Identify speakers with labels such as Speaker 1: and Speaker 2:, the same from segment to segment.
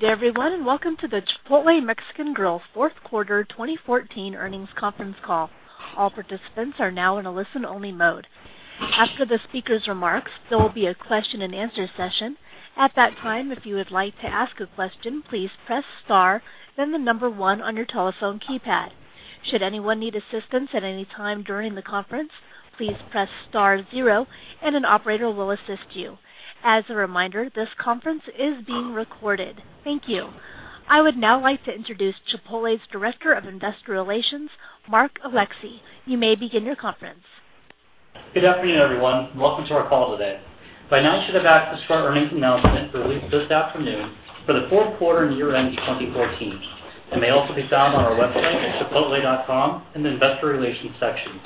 Speaker 1: Good everyone, and welcome to the Chipotle Mexican Grill fourth quarter 2014 earnings conference call. All participants are now in a listen-only mode. After the speakers' remarks, there will be a question and answer session. At that time, if you would like to ask a question, please press star then the number one on your telephone keypad. Should anyone need assistance at any time during the conference, please press star zero and an operator will assist you. As a reminder, this conference is being recorded. Thank you. I would now like to introduce Chipotle's Director of Investor Relations, Mark Alexee. You may begin your conference.
Speaker 2: Good afternoon, everyone. Welcome to our call today. By now you should have access to our earnings announcement released this afternoon for the fourth quarter and year-end 2014, may also be found on our website at chipotle.com in the investor relations section.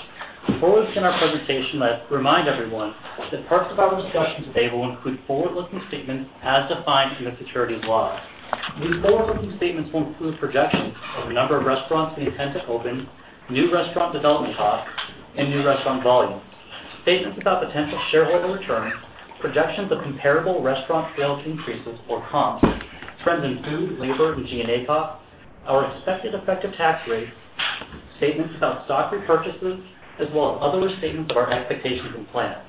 Speaker 2: Before we begin our presentation, I would remind everyone that parts of our discussion today will include forward-looking statements as defined in the securities laws. These forward-looking statements will include projections of the number of restaurants we intend to open, new restaurant development costs, new restaurant volumes. Statements about potential shareholder returns, projections of comparable restaurant sales increases or comps, trends in food, labor, and G&A costs, our expected effective tax rates, statements about stock repurchases, as well as other statements of our expectations and plans.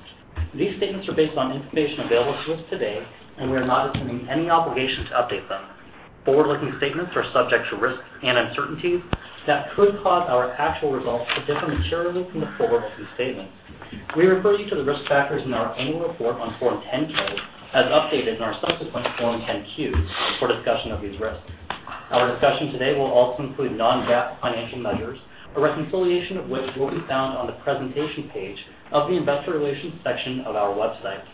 Speaker 2: These statements are based on information available to us today, we are not assuming any obligation to update them. Forward-looking statements are subject to risks and uncertainties that could cause our actual results to differ materially from the forward-looking statements. We refer you to the risk factors in our annual report on Form 10-K, as updated in our subsequent Form 10-Q, for a discussion of these risks. Our discussion today will also include non-GAAP financial measures, a reconciliation of which will be found on the presentation page of the investor relations section of our website.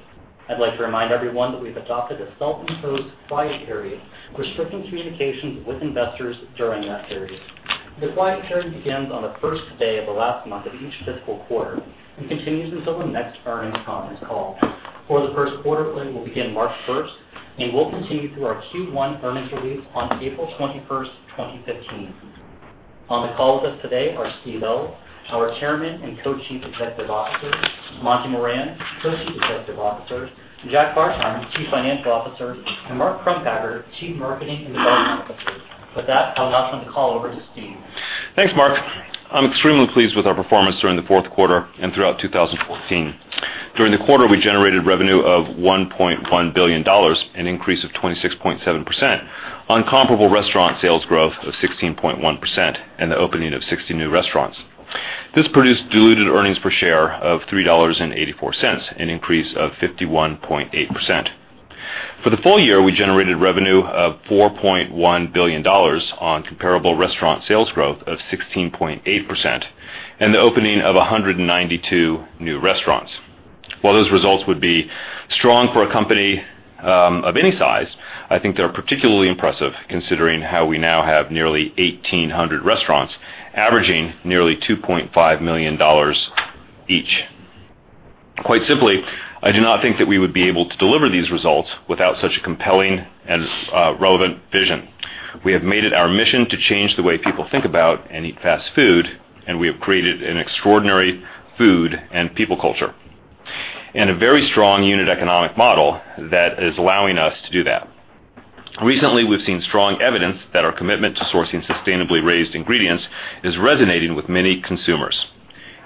Speaker 2: I would like to remind everyone that we have adopted a self-imposed quiet period restricting communications with investors during that period. The quiet period begins on the first day of the last month of each fiscal quarter and continues until the next earnings conference call. For the first quarter, it will begin March 1st and will continue through our Q1 earnings release on April 21st, 2015. On the call with us today are Steve Ells, our Chairman and Co-Chief Executive Officer, Monty Moran, Co-Chief Executive Officer, Jack Hartung, Chief Financial Officer, Mark Crumpacker, Chief Marketing and Development Officer. With that, I will now turn the call over to Steve.
Speaker 3: Thanks, Mark. I'm extremely pleased with our performance during the fourth quarter and throughout 2014. During the quarter, we generated revenue of $1.1 billion, an increase of 26.7% on comparable restaurant sales growth of 16.1% and the opening of 60 new restaurants. This produced diluted earnings per share of $3.84, an increase of 51.8%. For the full year, we generated revenue of $4.1 billion on comparable restaurant sales growth of 16.8% and the opening of 192 new restaurants. While those results would be strong for a company of any size, I think they're particularly impressive considering how we now have nearly 1,800 restaurants, averaging nearly $2.5 million each. Quite simply, I do not think that we would be able to deliver these results without such a compelling and relevant vision. We have made it our mission to change the way people think about and eat fast food. We have created an extraordinary food and people culture and a very strong unit economic model that is allowing us to do that. Recently, we've seen strong evidence that our commitment to sourcing sustainably raised ingredients is resonating with many consumers.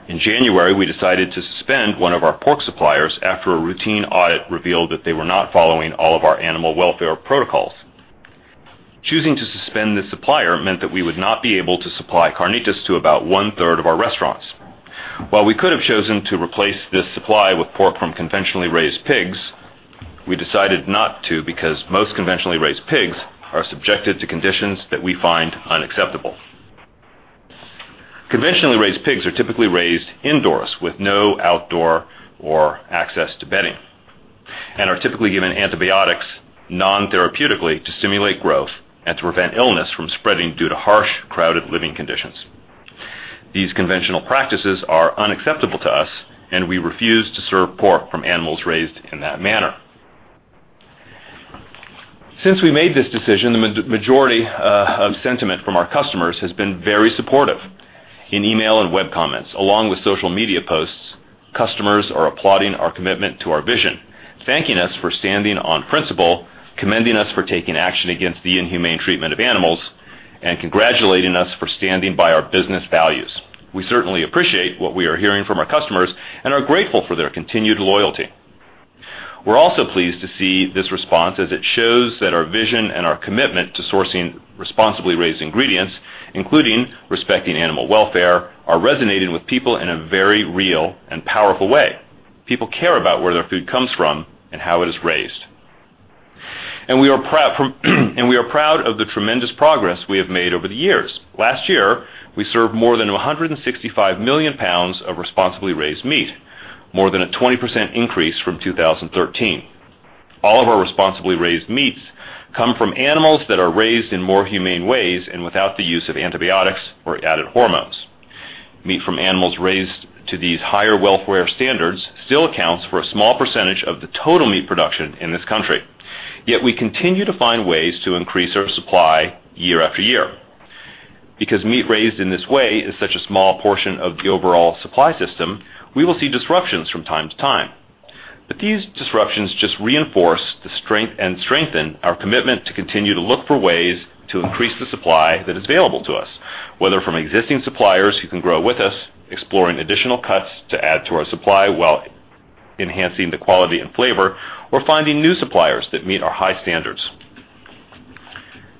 Speaker 3: In January, we decided to suspend one of our pork suppliers after a routine audit revealed that they were not following all of our animal welfare protocols. Choosing to suspend this supplier meant that we would not be able to supply carnitas to about one-third of our restaurants. We could have chosen to replace this supply with pork from conventionally raised pigs, we decided not to because most conventionally raised pigs are subjected to conditions that we find unacceptable. Conventionally raised pigs are typically raised indoors with no outdoor or access to bedding and are typically given antibiotics non-therapeutically to stimulate growth and to prevent illness from spreading due to harsh, crowded living conditions. These conventional practices are unacceptable to us. We refuse to serve pork from animals raised in that manner. Since we made this decision, the majority of sentiment from our customers has been very supportive. In email and web comments, along with social media posts, customers are applauding our commitment to our vision, thanking us for standing on principle, commending us for taking action against the inhumane treatment of animals, congratulating us for standing by our business values. We certainly appreciate what we are hearing from our customers and are grateful for their continued loyalty. We're also pleased to see this response as it shows that our vision and our commitment to sourcing responsibly raised ingredients, including respecting animal welfare, are resonating with people in a very real and powerful way. People care about where their food comes from and how it is raised. We are proud of the tremendous progress we have made over the years. Last year, we served more than 165 million pounds of responsibly raised meat, more than a 20% increase from 2013. All of our responsibly raised meats come from animals that are raised in more humane ways and without the use of antibiotics or added hormones. Meat from animals raised to these higher welfare standards still accounts for a small percentage of the total meat production in this country. We continue to find ways to increase our supply year after year. Because meat raised in this way is such a small portion of the overall supply system, we will see disruptions from time to time. These disruptions just reinforce the strength and strengthen our commitment to continue to look for ways to increase the supply that is available to us, whether from existing suppliers who can grow with us, exploring additional cuts to add to our supply while enhancing the quality and flavor, or finding new suppliers that meet our high standards.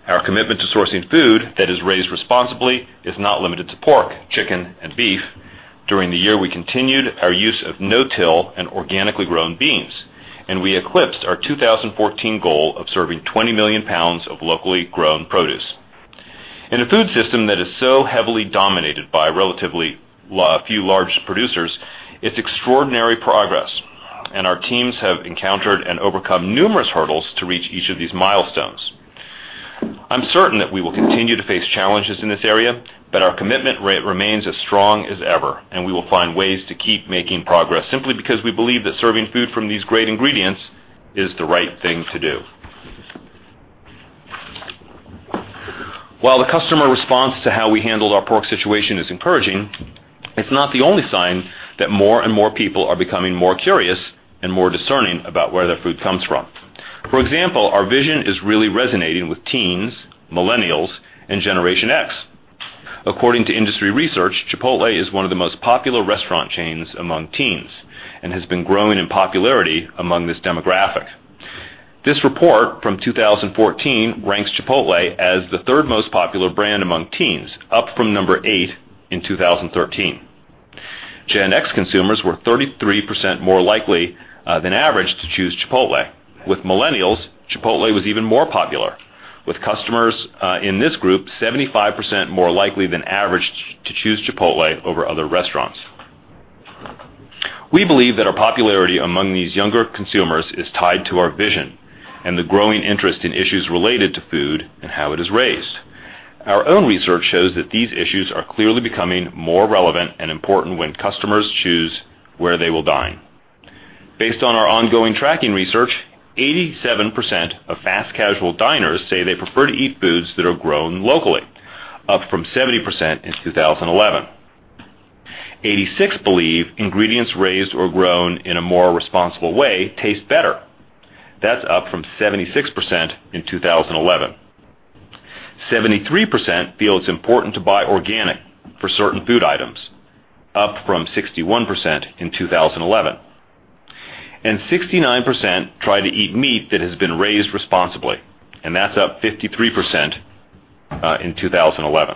Speaker 3: Our commitment to sourcing food that is raised responsibly is not limited to pork, chicken, and beef. During the year, we continued our use of no-till and organically grown beans, and we eclipsed our 2014 goal of serving 20 million pounds of locally grown produce. In a food system that is so heavily dominated by relatively few large producers, it's extraordinary progress. Our teams have encountered and overcome numerous hurdles to reach each of these milestones. I'm certain that we will continue to face challenges in this area, our commitment remains as strong as ever, and we will find ways to keep making progress, simply because we believe that serving food from these great ingredients is the right thing to do. While the customer response to how we handled our pork situation is encouraging, it's not the only sign that more and more people are becoming more curious and more discerning about where their food comes from. For example, our vision is really resonating with teens, millennials, and Generation X. According to industry research, Chipotle is one of the most popular restaurant chains among teens and has been growing in popularity among this demographic. This report from 2014 ranks Chipotle as the third most popular brand among teens, up from number 8 in 2013. Gen X consumers were 33% more likely than average to choose Chipotle. With millennials, Chipotle was even more popular, with customers in this group 75% more likely than average to choose Chipotle over other restaurants. We believe that our popularity among these younger consumers is tied to our vision and the growing interest in issues related to food and how it is raised. Our own research shows that these issues are clearly becoming more relevant and important when customers choose where they will dine. Based on our ongoing tracking research, 87% of fast casual diners say they prefer to eat foods that are grown locally, up from 70% in 2011. 86% believe ingredients raised or grown in a more responsible way taste better. That's up from 76% in 2011. 73% feel it's important to buy organic for certain food items, up from 61% in 2011. 69% try to eat meat that has been raised responsibly, and that's up 53% in 2011.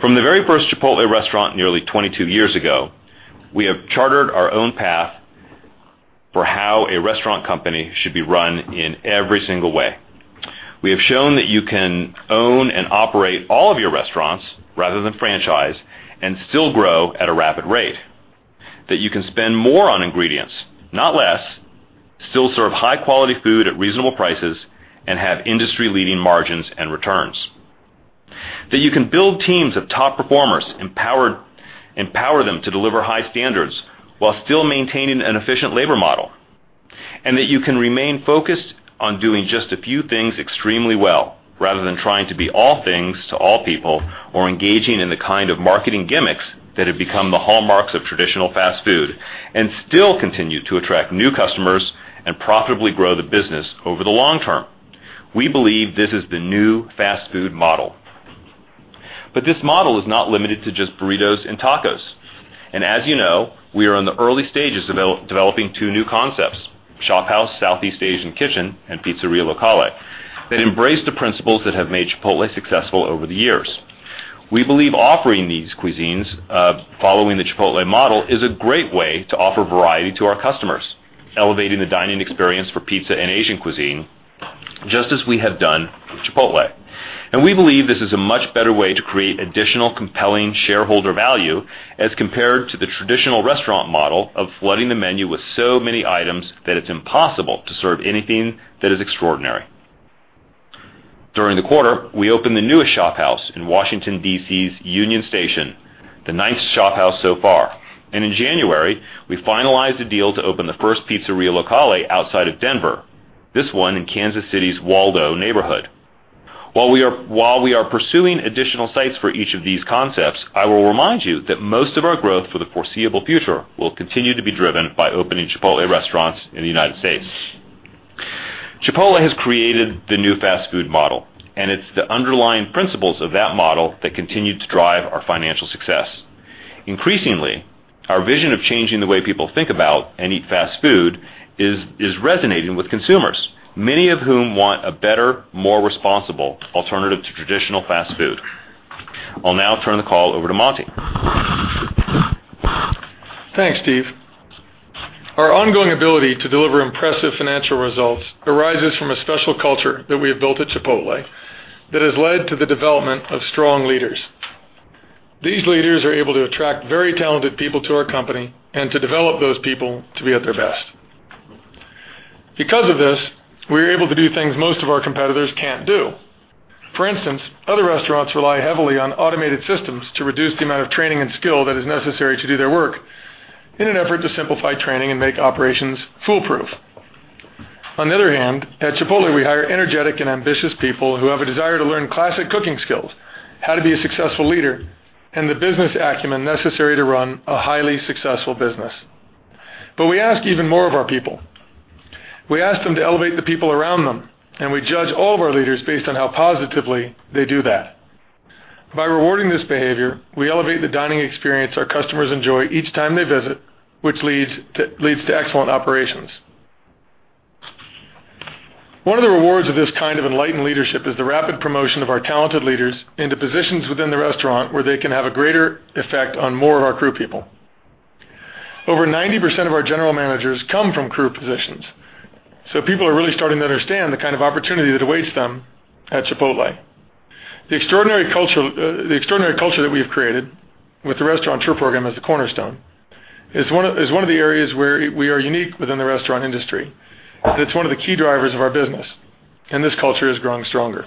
Speaker 3: From the very first Chipotle restaurant nearly 22 years ago, we have chartered our own path for how a restaurant company should be run in every single way. We have shown that you can own and operate all of your restaurants rather than franchise and still grow at a rapid rate. That you can spend more on ingredients, not less, still serve high-quality food at reasonable prices, and have industry-leading margins and returns. That you can build teams of top performers, empower them to deliver high standards while still maintaining an efficient labor model, and that you can remain focused on doing just a few things extremely well, rather than trying to be all things to all people or engaging in the kind of marketing gimmicks that have become the hallmarks of traditional fast food and still continue to attract new customers and profitably grow the business over the long term. We believe this is the new fast-food model. This model is not limited to just burritos and tacos. As you know, we are in the early stages of developing two new concepts, ShopHouse Southeast Asian Kitchen and Pizzeria Locale, that embrace the principles that have made Chipotle successful over the years. We believe offering these cuisines, following the Chipotle model, is a great way to offer variety to our customers, elevating the dining experience for pizza and Asian cuisine, just as we have done with Chipotle. We believe this is a much better way to create additional compelling shareholder value as compared to the traditional restaurant model of flooding the menu with so many items that it's impossible to serve anything that is extraordinary. During the quarter, we opened the newest ShopHouse in Washington, D.C.'s Union Station, the ninth ShopHouse so far. In January, we finalized a deal to open the first Pizzeria Locale outside of Denver, this one in Kansas City's Waldo neighborhood. While we are pursuing additional sites for each of these concepts, I will remind you that most of our growth for the foreseeable future will continue to be driven by opening Chipotle restaurants in the United States. Chipotle has created the new fast-food model, it's the underlying principles of that model that continue to drive our financial success. Increasingly, our vision of changing the way people think about and eat fast food is resonating with consumers, many of whom want a better, more responsible alternative to traditional fast food. I'll now turn the call over to Monty.
Speaker 4: Thanks, Steve. Our ongoing ability to deliver impressive financial results arises from a special culture that we have built at Chipotle that has led to the development of strong leaders. These leaders are able to attract very talented people to our company and to develop those people to be at their best. Because of this, we are able to do things most of our competitors can't do. For instance, other restaurants rely heavily on automated systems to reduce the amount of training and skill that is necessary to do their work in an effort to simplify training and make operations foolproof. On the other hand, at Chipotle, we hire energetic and ambitious people who have a desire to learn classic cooking skills, how to be a successful leader, and the business acumen necessary to run a highly successful business. We ask even more of our people. We ask them to elevate the people around them. We judge all of our leaders based on how positively they do that. By rewarding this behavior, we elevate the dining experience our customers enjoy each time they visit, which leads to excellent operations. One of the rewards of this kind of enlightened leadership is the rapid promotion of our talented leaders into positions within the restaurant where they can have a greater effect on more of our crew people. Over 90% of our general managers come from crew positions. People are really starting to understand the kind of opportunity that awaits them at Chipotle. The extraordinary culture that we have created with the Restaurateur program as a cornerstone, is one of the areas where we are unique within the restaurant industry. It's one of the key drivers of our business. This culture is growing stronger.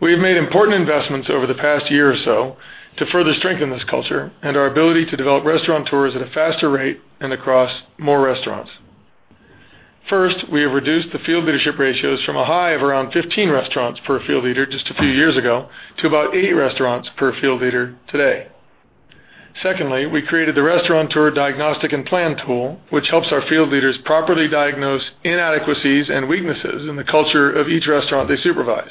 Speaker 4: We have made important investments over the past year or so to further strengthen this culture and our ability to develop Restaurateurs at a faster rate and across more restaurants. First, we have reduced the field leadership ratios from a high of around 15 restaurants per field leader just a few years ago to about eight restaurants per field leader today. Secondly, we created the Restaurateur diagnostic and plan tool, which helps our field leaders properly diagnose inadequacies and weaknesses in the culture of each restaurant they supervise.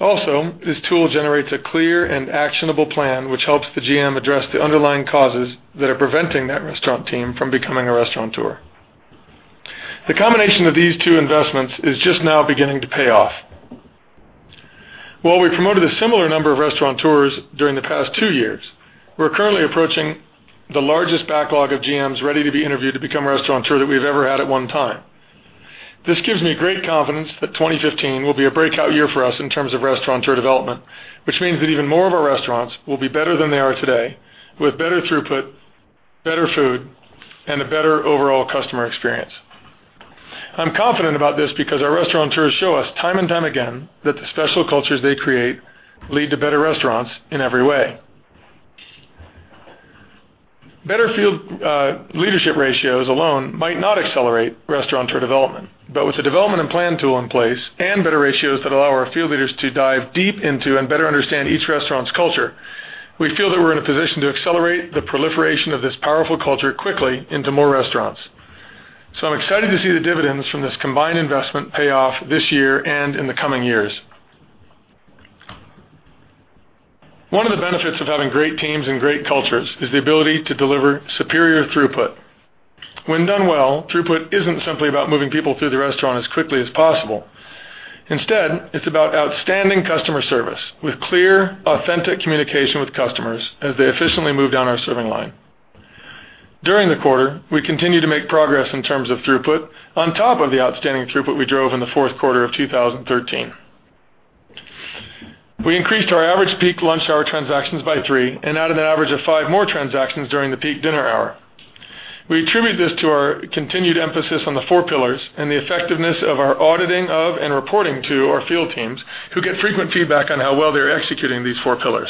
Speaker 4: Also, this tool generates a clear and actionable plan, which helps the GM address the underlying causes that are preventing that restaurant team from becoming a Restaurateur. The combination of these two investments is just now beginning to pay off. While we promoted a similar number of Restaurateurs during the past two years, we're currently approaching the largest backlog of GMs ready to be interviewed to become a Restaurateur that we've ever had at one time. This gives me great confidence that 2015 will be a breakout year for us in terms of Restaurateur development, which means that even more of our restaurants will be better than they are today, with better throughput, better food, and a better overall customer experience. I'm confident about this because our Restaurateurs show us time and time again that the special cultures they create lead to better restaurants in every way. Better field leadership ratios alone might not accelerate Restaurateur development. With the development and plan tool in place and better ratios that allow our field leaders to dive deep into and better understand each restaurant's culture, we feel that we're in a position to accelerate the proliferation of this powerful culture quickly into more restaurants. I'm excited to see the dividends from this combined investment pay off this year and in the coming years. One of the benefits of having great teams and great cultures is the ability to deliver superior throughput. When done well, throughput isn't simply about moving people through the restaurant as quickly as possible. Instead, it's about outstanding customer service with clear, authentic communication with customers as they efficiently move down our serving line. During the quarter, we continued to make progress in terms of throughput on top of the outstanding throughput we drove in the fourth quarter of 2013. We increased our average peak lunch hour transactions by three and added an average of five more transactions during the peak dinner hour. We attribute this to our continued emphasis on the four pillars and the effectiveness of our auditing of and reporting to our field teams, who get frequent feedback on how well they're executing these four pillars.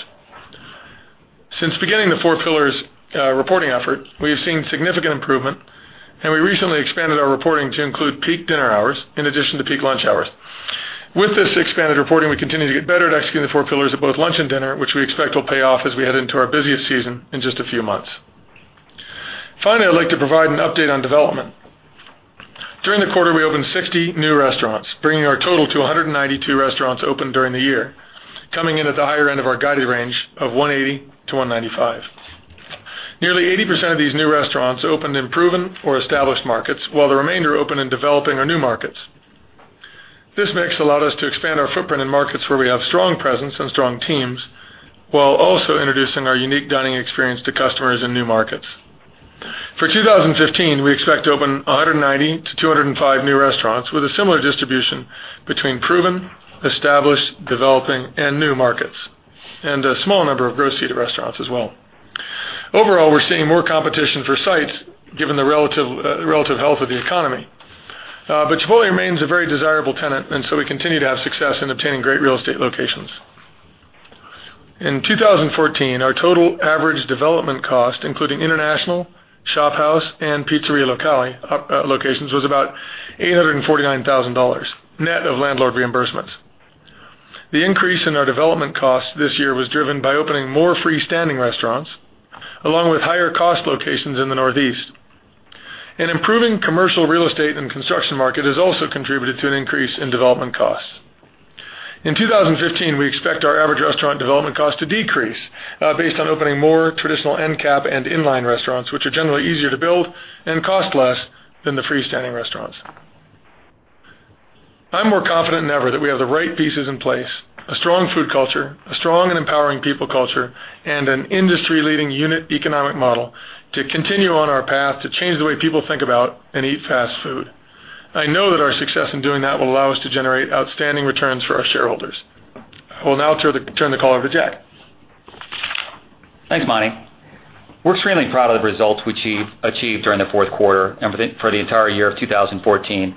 Speaker 4: Since beginning the four pillars reporting effort, we have seen significant improvement, and we recently expanded our reporting to include peak dinner hours in addition to peak lunch hours. With this expanded reporting, we continue to get better at executing the four pillars at both lunch and dinner, which we expect will pay off as we head into our busiest season in just a few months. Finally, I'd like to provide an update on development. During the quarter, we opened 60 new restaurants, bringing our total to 192 restaurants opened during the year, coming in at the higher end of our guided range of 180-195. Nearly 80% of these new restaurants opened in proven or established markets, while the remainder opened in developing or new markets. This mix allowed us to expand our footprint in markets where we have strong presence and strong teams, while also introducing our unique dining experience to customers in new markets. For 2015, we expect to open 190-205 new restaurants with a similar distribution between proven, established, developing, and new markets, and a small number of gross-leased restaurants as well. Overall, we're seeing more competition for sites given the relative health of the economy. Chipotle remains a very desirable tenant, so we continue to have success in obtaining great real estate locations. In 2014, our total average development cost, including international, ShopHouse, and Pizzeria Locale locations was about $849,000, net of landlord reimbursements. The increase in our development cost this year was driven by opening more freestanding restaurants, along with higher cost locations in the Northeast. An improving commercial real estate and construction market has also contributed to an increase in development costs. In 2015, we expect our average restaurant development cost to decrease based on opening more traditional end cap and inline restaurants, which are generally easier to build and cost less than the freestanding restaurants. I'm more confident than ever that we have the right pieces in place, a strong food culture, a strong and empowering people culture, and an industry-leading unit economic model to continue on our path to change the way people think about and eat fast food. I know that our success in doing that will allow us to generate outstanding returns for our shareholders. I will now turn the call over to Jack.
Speaker 5: Thanks, Monty. We're extremely proud of the results we achieved during the fourth quarter and for the entire year of 2014,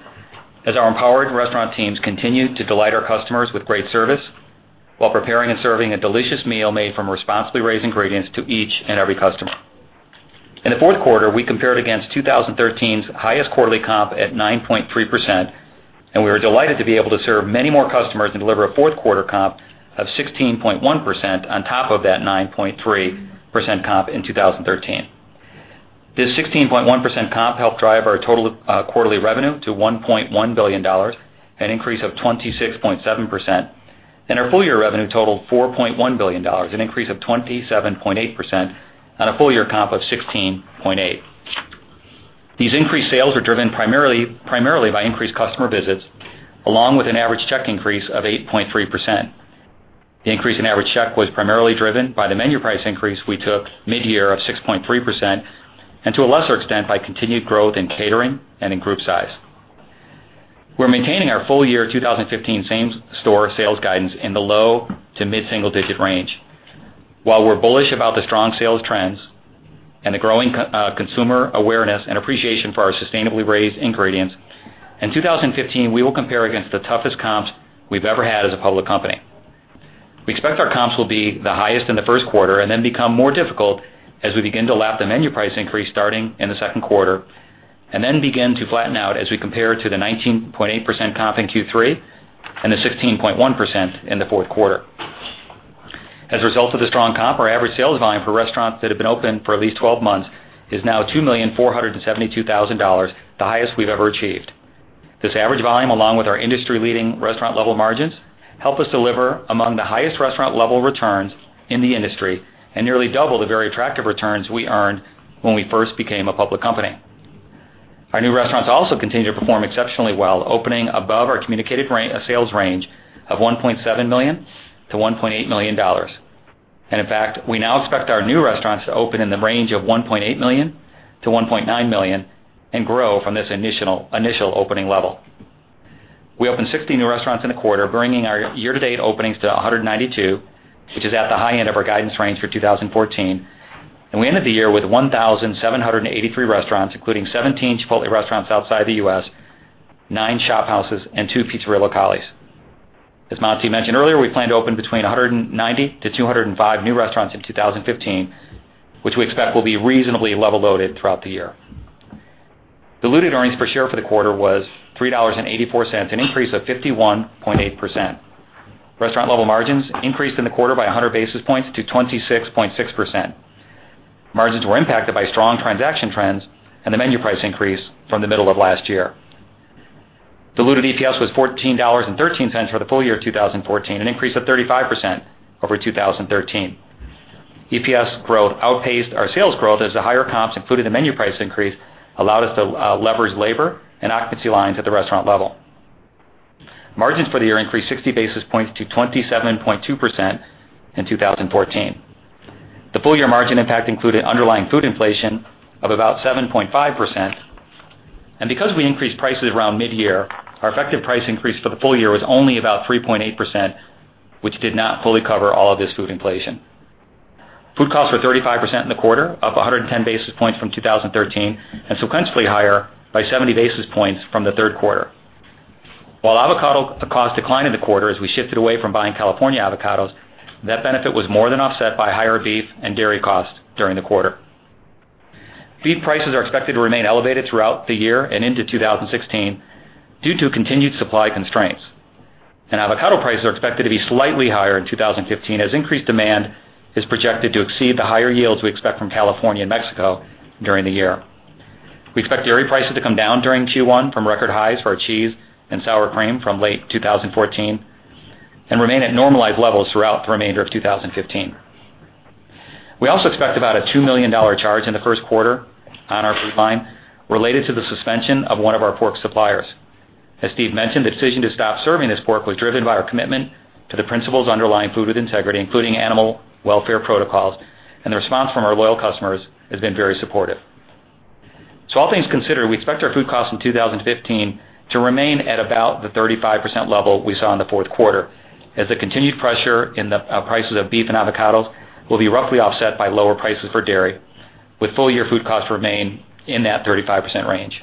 Speaker 5: as our empowered restaurant teams continued to delight our customers with great service while preparing and serving a delicious meal made from responsibly raised ingredients to each and every customer. In the fourth quarter, we compared against 2013's highest quarterly comp at 9.3%, and we were delighted to be able to serve many more customers and deliver a fourth quarter comp of 16.1% on top of that 9.3% comp in 2013. This 16.1% comp helped drive our total quarterly revenue to $1.1 billion, an increase of 26.7%, and our full-year revenue totaled $4.1 billion, an increase of 27.8% on a full-year comp of 16.8%. These increased sales were driven primarily by increased customer visits, along with an average check increase of 8.3%. The increase in average check was primarily driven by the menu price increase we took mid-year of 6.3%, and to a lesser extent, by continued growth in catering and in group size. We're maintaining our full-year 2015 same-store sales guidance in the low to mid-single digit range. We're bullish about the strong sales trends and the growing consumer awareness and appreciation for our sustainably raised ingredients, in 2015, we will compare against the toughest comps we've ever had as a public company. We expect our comps will be the highest in the first quarter and then become more difficult as we begin to lap the menu price increase starting in the second quarter, and then begin to flatten out as we compare to the 19.8% comp in Q3 and the 16.1% in the fourth quarter. As a result of the strong comp, our average sales volume for restaurants that have been open for at least 12 months is now $2,472,000, the highest we've ever achieved. This average volume, along with our industry-leading restaurant-level margins, help us deliver among the highest restaurant-level returns in the industry and nearly double the very attractive returns we earned when we first became a public company. Our new restaurants also continue to perform exceptionally well, opening above our communicated sales range of $1.7 million-$1.8 million. In fact, we now expect our new restaurants to open in the range of $1.8 million-$1.9 million and grow from this initial opening level. We opened 60 new restaurants in a quarter, bringing our year-to-date openings to 192, which is at the high end of our guidance range for 2014. We ended the year with 1,783 restaurants, including 17 Chipotle restaurants outside the U.S., nine ShopHouses, and two Pizzeria Locales. As Monty mentioned earlier, we plan to open between 190-205 new restaurants in 2015, which we expect will be reasonably level-loaded throughout the year. Diluted earnings per share for the quarter was $3.84, an increase of 51.8%. Restaurant-level margins increased in the quarter by 100 basis points to 26.6%. Margins were impacted by strong transaction trends and the menu price increase from the middle of last year. Diluted EPS was $14.13 for the full year 2014, an increase of 35% over 2013. EPS growth outpaced our sales growth as the higher comps, including the menu price increase, allowed us to leverage labor and occupancy lines at the restaurant-level. Margins for the year increased 60 basis points to 27.2% in 2014. The full-year margin impact included underlying food inflation of about 7.5%. Because we increased prices around mid-year, our effective price increase for the full year was only about 3.8%, which did not fully cover all of this food inflation. Food costs were 35% in the quarter, up 110 basis points from 2013, and sequentially higher by 70 basis points from the third quarter. While avocado costs declined in the quarter as we shifted away from buying California avocados, that benefit was more than offset by higher beef and dairy costs during the quarter. Beef prices are expected to remain elevated throughout the year and into 2016 due to continued supply constraints. Avocado prices are expected to be slightly higher in 2015, as increased demand is projected to exceed the higher yields we expect from California and Mexico during the year. We expect dairy prices to come down during Q1 from record highs for cheese and sour cream from late 2014, and remain at normalized levels throughout the remainder of 2015. We also expect about a $2 million charge in the first quarter on our food line related to the suspension of one of our pork suppliers. As Steve mentioned, the decision to stop serving this pork was driven by our commitment to the principles underlying Food with Integrity, including animal welfare protocols, and the response from our loyal customers has been very supportive. All things considered, we expect our food costs in 2015 to remain at about the 35% level we saw in the fourth quarter, as the continued pressure in the prices of beef and avocados will be roughly offset by lower prices for dairy, with full-year food costs remain in that 35% range.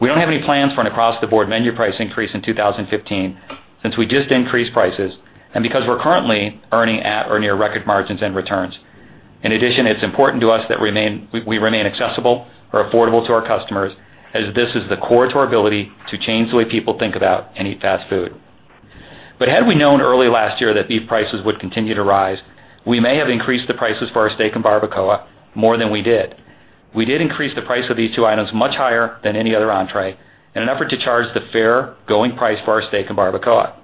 Speaker 5: We don't have any plans for an across-the-board menu price increase in 2015 since we just increased prices and because we're currently earning at or near record margins and returns. In addition, it's important to us that we remain accessible or affordable to our customers, as this is the core to our ability to change the way people think about and eat fast food. Had we known early last year that beef prices would continue to rise, we may have increased the prices for our steak and barbacoa more than we did. We did increase the price of these two items much higher than any other entrée in an effort to charge the fair going price for our steak and barbacoa.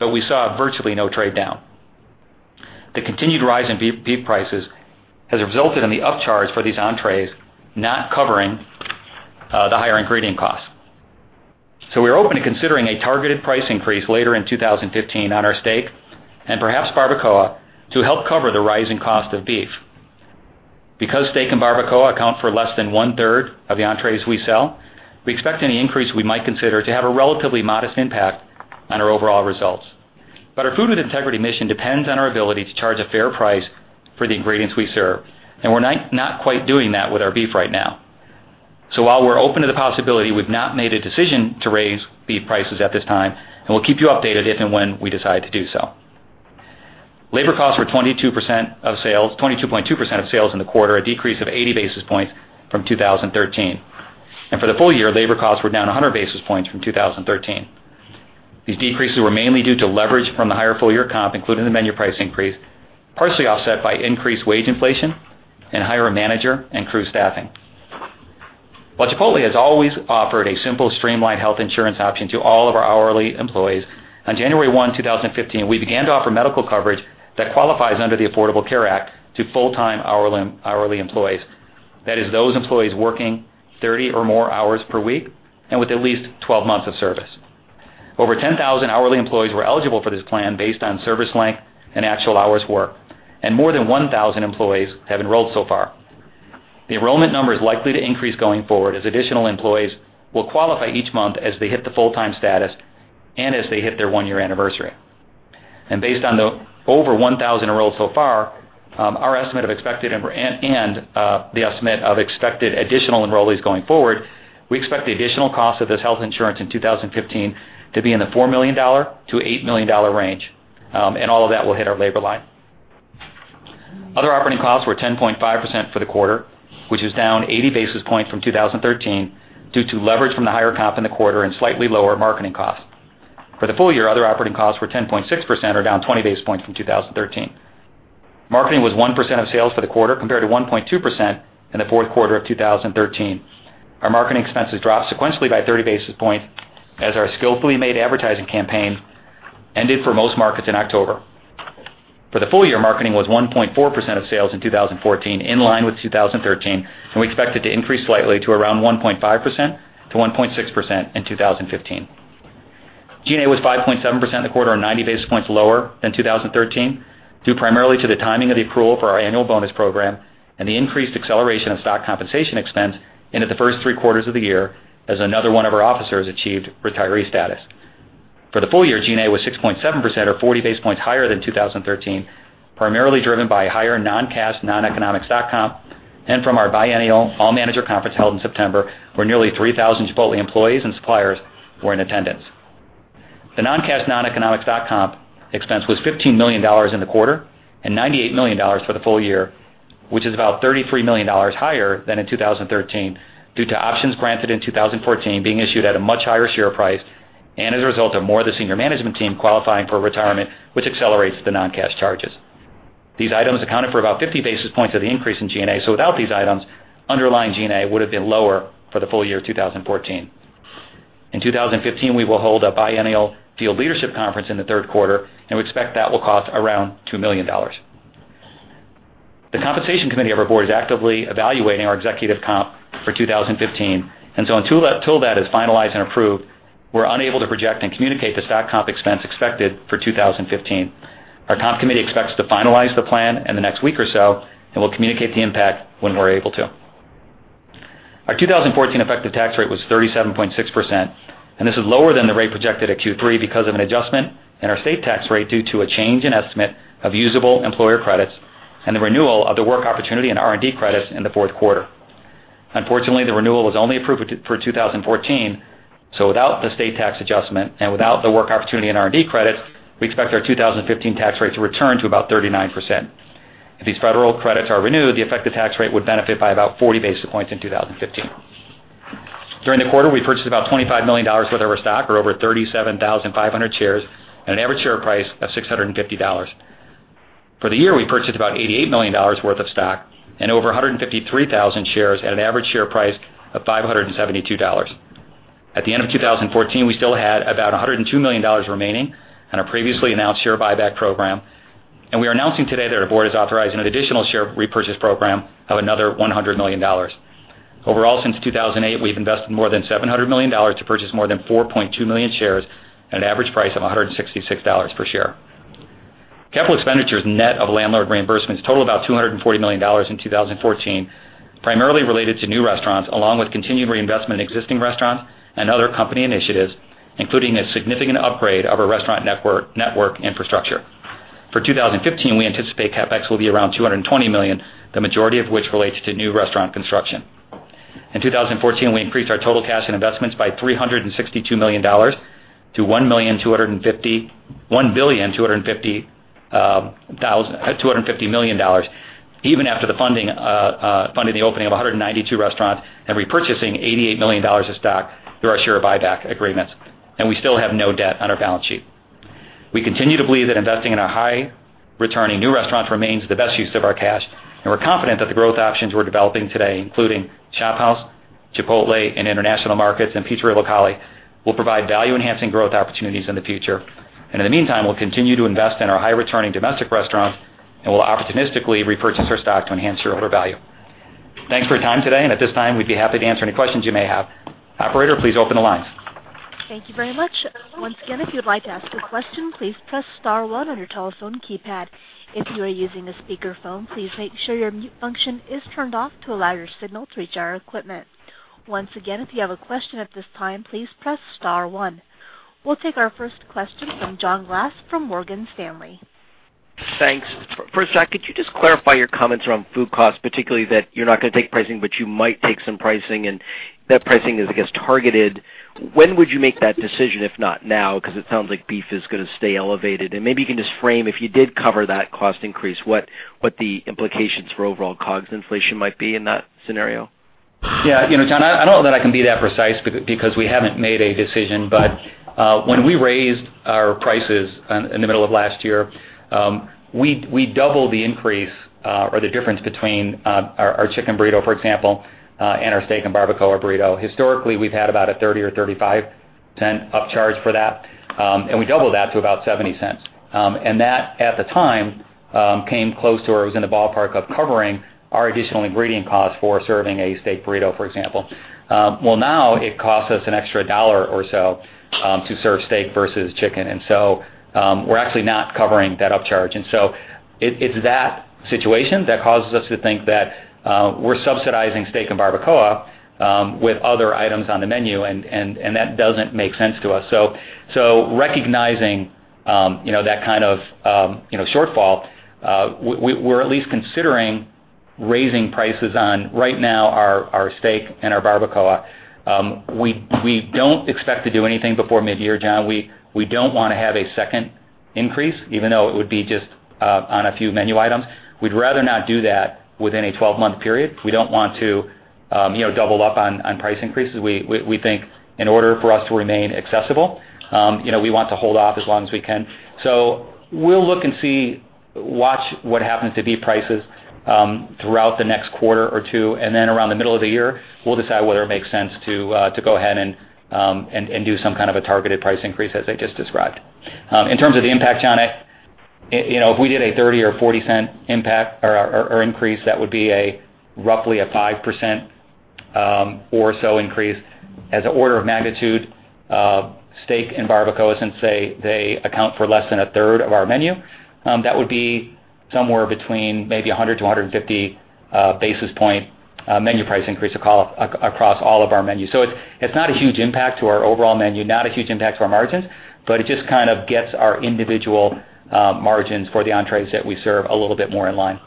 Speaker 5: We saw virtually no trade down. The continued rise in beef prices has resulted in the upcharge for these entrees not covering the higher ingredient costs. We're open to considering a targeted price increase later in 2015 on our steak and perhaps barbacoa to help cover the rising cost of beef. Because steak and barbacoa account for less than one-third of the entrees we sell, we expect any increase we might consider to have a relatively modest impact on our overall results. Our Food with Integrity mission depends on our ability to charge a fair price for the ingredients we serve, and we're not quite doing that with our beef right now. While we're open to the possibility, we've not made a decision to raise beef prices at this time, and we'll keep you updated if and when we decide to do so. Labor costs were 22.2% of sales in the quarter, a decrease of 80 basis points from 2013. For the full year, labor costs were down 100 basis points from 2013. These decreases were mainly due to leverage from the higher full-year comp, including the menu price increase, partially offset by increased wage inflation and higher manager and crew staffing. While Chipotle has always offered a simple, streamlined health insurance option to all of our hourly employees, on January 1, 2015, we began to offer medical coverage that qualifies under the Affordable Care Act to full-time hourly employees. That is those employees working 30 or more hours per week and with at least 12 months of service. Over 10,000 hourly employees were eligible for this plan based on service length and actual hours worked, and more than 1,000 employees have enrolled so far. The enrollment number is likely to increase going forward as additional employees will qualify each month as they hit the full-time status and as they hit their one-year anniversary. Based on the over 1,000 enrolled so far, and the estimate of expected additional enrollees going forward, we expect the additional cost of this health insurance in 2015 to be in the $4 million-$8 million range, and all of that will hit our labor line. Other operating costs were 10.5% for the quarter, which is down 80 basis points from 2013 due to leverage from the higher comp in the quarter and slightly lower marketing costs. For the full year, other operating costs were 10.6%, or down 20 basis points from 2013. Marketing was 1% of sales for the quarter, compared to 1.2% in the fourth quarter of 2013. Our marketing expenses dropped sequentially by 30 basis points as our skillfully made advertising campaign ended for most markets in October. For the full year, marketing was 1.4% of sales in 2014, in line with 2013, and we expect it to increase slightly to around 1.5%-1.6% in 2015. G&A was 5.7% of the quarter, or 90 basis points lower than 2013, due primarily to the timing of the accrual for our annual bonus program and the increased acceleration of stock compensation expense into the first three quarters of the year as another one of our officers achieved retiree status. For the full year, G&A was 6.7%, or 40 basis points higher than 2013, primarily driven by higher non-cash, non-economic stock comp and from our biennial all-manager conference held in September, where nearly 3,000 Chipotle employees and suppliers were in attendance. The non-cash, non-economic stock comp expense was $15 million in the quarter and $98 million for the full year, which is about $33 million higher than in 2013 due to options granted in 2014 being issued at a much higher share price and as a result of more of the senior management team qualifying for retirement, which accelerates the non-cash charges. These items accounted for about 50 basis points of the increase in G&A, without these items, underlying G&A would have been lower for the full year 2014. In 2015, we will hold a biennial field leadership conference in the third quarter, and we expect that will cost around $2 million. The compensation committee of our board is actively evaluating our executive comp for 2015, until that is finalized and approved, we're unable to project and communicate the stock comp expense expected for 2015. Our comp committee expects to finalize the plan in the next week or so, and we'll communicate the impact when we're able to. Our 2014 effective tax rate was 37.6%, and this is lower than the rate projected at Q3 because of an adjustment in our state tax rate due to a change in estimate of usable employer credits and the renewal of the Work Opportunity and R&D credits in the fourth quarter. Unfortunately, the renewal was only approved for 2014. Without the state tax adjustment and without the Work Opportunity and R&D credit, we expect our 2015 tax rate to return to about 39%. If these federal credits are renewed, the effective tax rate would benefit by about 40 basis points in 2015. During the quarter, we purchased about $25 million worth of our stock, or over 37,500 shares at an average share price of $650. For the year, we purchased about $88 million worth of stock and over 153,000 shares at an average share price of $572. At the end of 2014, we still had about $102 million remaining on our previously announced share buyback program, and we are announcing today that our board has authorized an additional share repurchase program of another $100 million. Overall, since 2008, we've invested more than $700 million to purchase more than 4.2 million shares at an average price of $166 per share. Capital expenditures net of landlord reimbursements totaled about $240 million in 2014, primarily related to new restaurants, along with continued reinvestment in existing restaurants and other company initiatives, including a significant upgrade of our restaurant network infrastructure. For 2015, we anticipate CapEx will be around $220 million, the majority of which relates to new restaurant construction. In 2014, we increased our total cash and investments by $362 million to $1.25 billion, even after funding the opening of 192 restaurants and repurchasing $88 million of stock through our share buyback agreements, and we still have no debt on our balance sheet. We continue to believe that investing in our high-returning new restaurants remains the best use of our cash, and we're confident that the growth options we're developing today, including ShopHouse, Chipotle in international markets, and Pizzeria Locale, will provide value-enhancing growth opportunities in the future. In the meantime, we'll continue to invest in our high-returning domestic restaurants, and we'll opportunistically repurchase our stock to enhance shareholder value. Thanks for your time today, and at this time, we'd be happy to answer any questions you may have. Operator, please open the lines.
Speaker 1: Thank you very much. Once again, if you would like to ask a question, please press star one on your telephone keypad. If you are using a speakerphone, please make sure your mute function is turned off to allow your signal to reach our equipment. Once again, if you have a question at this time, please press star one. We'll take our first question from John Glass from Morgan Stanley.
Speaker 6: Thanks. First, Jack, could you just clarify your comments around food costs, particularly that you're not going to take pricing, but you might take some pricing and that pricing is, I guess, targeted. When would you make that decision, if not now? It sounds like beef is going to stay elevated. Maybe you can just frame, if you did cover that cost increase, what the implications for overall COGS inflation might be in that scenario?
Speaker 5: Yeah. John, I don't know that I can be that precise because we haven't made a decision. When we raised our prices in the middle of last year, we doubled the increase, or the difference between our chicken burrito, for example, and our steak and barbacoa burrito. Historically, we've had about a $0.30 or $0.35 upcharge for that. We doubled that to about $0.70. That, at the time, came close to, or it was in the ballpark of covering our additional ingredient cost for serving a steak burrito, for example. Well, now it costs us an extra $1 or so to serve steak versus chicken. We're actually not covering that upcharge. It's that situation that causes us to think that we're subsidizing steak and barbacoa with other items on the menu, and that doesn't make sense to us. Recognizing that kind of shortfall, we're at least considering raising prices on, right now, our steak and our barbacoa. We don't expect to do anything before mid-year, John. We don't want to have a second increase, even though it would be just on a few menu items. We'd rather not do that within a 12-month period. We don't want to double up on price increases. We think in order for us to remain accessible, we want to hold off as long as we can. We'll look and see, watch what happens to beef prices throughout the next quarter or two, and then around the middle of the year, we'll decide whether it makes sense to go ahead and do some kind of a targeted price increase as I just described. In terms of the impact, John, if we did a $0.30 or $0.40 impact or increase, that would be roughly a 5% or so increase. As an order of magnitude, steak and barbacoa, since they account for less than a third of our menu, that would be somewhere between maybe 100 to 150 basis point menu price increase across all of our menus. It's not a huge impact to our overall menu, not a huge impact to our margins, but it just kind of gets our individual margins for the entrees that we serve a little bit more in line.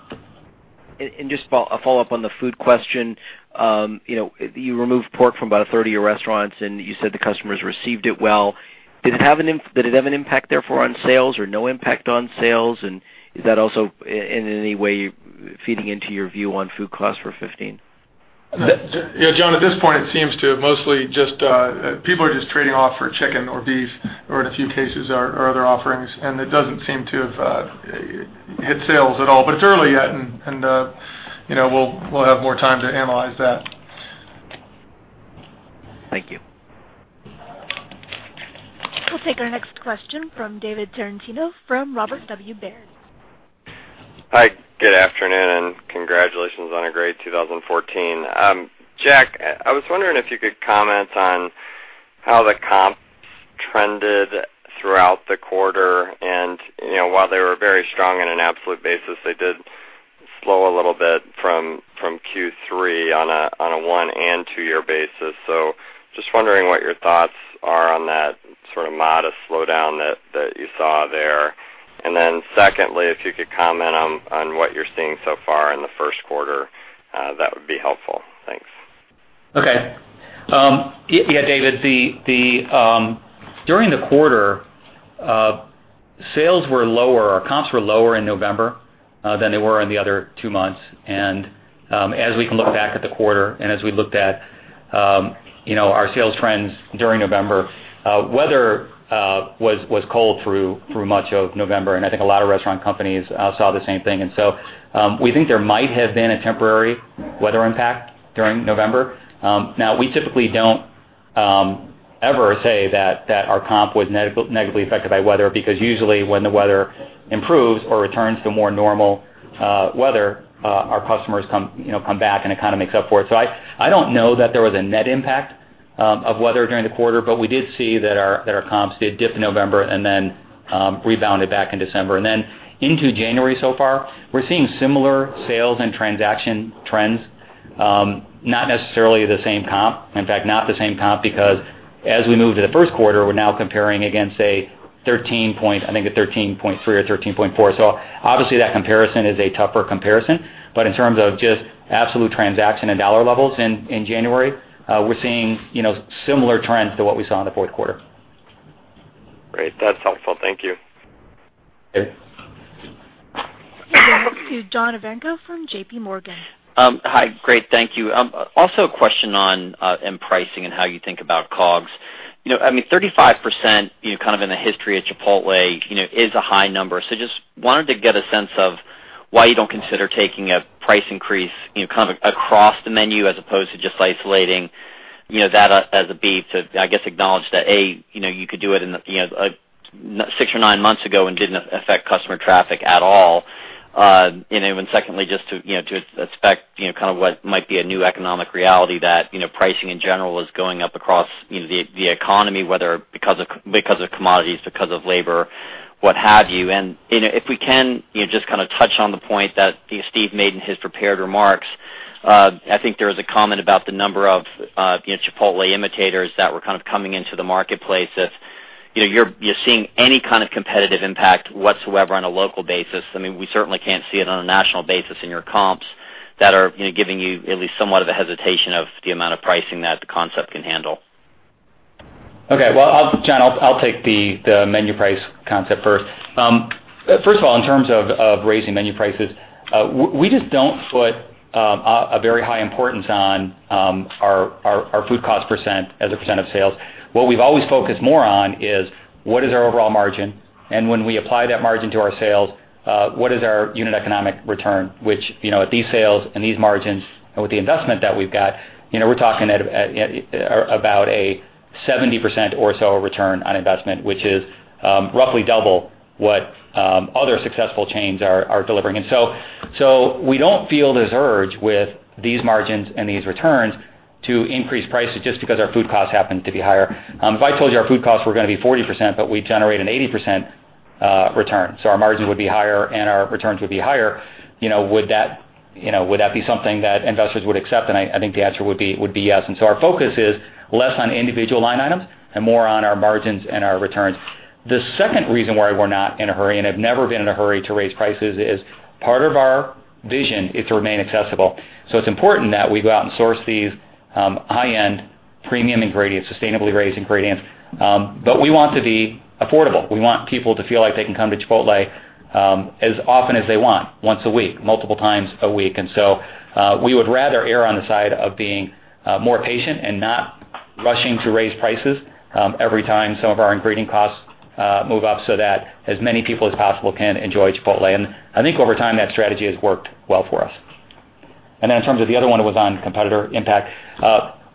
Speaker 6: Just a follow-up on the food question. You removed pork from about a third of your restaurants, and you said the customers received it well. Did it have an impact therefore on sales or no impact on sales? Is that also in any way feeding into your view on food costs for 2015?
Speaker 4: John, at this point, it seems to mostly, people are just trading off for chicken or beef or in a few cases, our other offerings, and it doesn't seem to have hit sales at all. It's early yet, and we'll have more time to analyze that.
Speaker 6: Thank you.
Speaker 1: We'll take our next question from David Tarantino from Robert W. Baird.
Speaker 7: Hi, good afternoon, and congratulations on a great 2014. Jack, I was wondering if you could comment on how the comps trended throughout the quarter, and while they were very strong in an absolute basis, they did slow a little bit from Q3 on a one and two-year basis. Just wondering what your thoughts are on that sort of modest slowdown that you saw there. Secondly, if you could comment on what you're seeing so far in the first quarter, that would be helpful. Thanks.
Speaker 5: Okay. Yeah, David, during the quarter, sales were lower, our comps were lower in November than they were in the other two months. As we can look back at the quarter and as we looked at our sales trends during November, weather was cold through much of November, and I think a lot of restaurant companies saw the same thing. We think there might have been a temporary weather impact during November. Now, we typically don't ever say that our comp was negatively affected by weather, because usually when the weather improves or returns to more normal weather, our customers come back, and it kind of makes up for it. I don't know that there was a net impact of weather during the quarter, but we did see that our comps did dip in November and then rebounded back in December. Into January so far, we're seeing similar sales and transaction trends. Not necessarily the same comp, in fact, not the same comp, because as we move to the first quarter, we're now comparing against a 13.3 or 13.4. Obviously that comparison is a tougher comparison, but in terms of just absolute transaction and dollar levels in January, we're seeing similar trends to what we saw in the fourth quarter.
Speaker 7: Great. That's helpful. Thank you.
Speaker 5: Okay.
Speaker 1: We'll go next to John Ivankoe from J.P. Morgan.
Speaker 8: Hi. Great, thank you. Also a question on pricing and how you think about COGS. I mean, 35% kind of in the history of Chipotle, is a high number. Just wanted to get a sense of why you don't consider taking a price increase kind of across the menu as opposed to just isolating that as a beef to, I guess, acknowledge that, A, you could do it six or nine months ago and didn't affect customer traffic at all. Secondly, just to expect kind of what might be a new economic reality that pricing in general is going up across the economy, whether because of commodities, because of labor What have you. If we can just touch on the point that Steve made in his prepared remarks, I think there was a comment about the number of Chipotle imitators that were coming into the marketplace. If you're seeing any kind of competitive impact whatsoever on a local basis, we certainly can't see it on a national basis in your comps that are giving you at least somewhat of a hesitation of the amount of pricing that the concept can handle.
Speaker 5: Okay. Well, John, I'll take the menu price concept first. First of all, in terms of raising menu prices, we just don't put a very high importance on our food cost % as a % of sales. What we've always focused more on is what is our overall margin, and when we apply that margin to our sales, what is our unit economic return, which, at these sales and these margins and with the investment that we've got, we're talking about a 70% or so return on investment, which is roughly double what other successful chains are delivering. We don't feel this urge with these margins and these returns to increase prices just because our food costs happen to be higher. If I told you our food costs were going to be 40%, but we generate an 80% return, our margins would be higher and our returns would be higher, would that be something that investors would accept? I think the answer would be yes. Our focus is less on individual line items and more on our margins and our returns. The second reason why we're not in a hurry and have never been in a hurry to raise prices is part of our vision is to remain accessible. It's important that we go out and source these high-end premium ingredients, sustainably raised ingredients, but we want to be affordable. We want people to feel like they can come to Chipotle as often as they want, once a week, multiple times a week. We would rather err on the side of being more patient and not rushing to raise prices every time some of our ingredient costs move up so that as many people as possible can enjoy Chipotle. I think over time, that strategy has worked well for us. In terms of the other one was on competitor impact.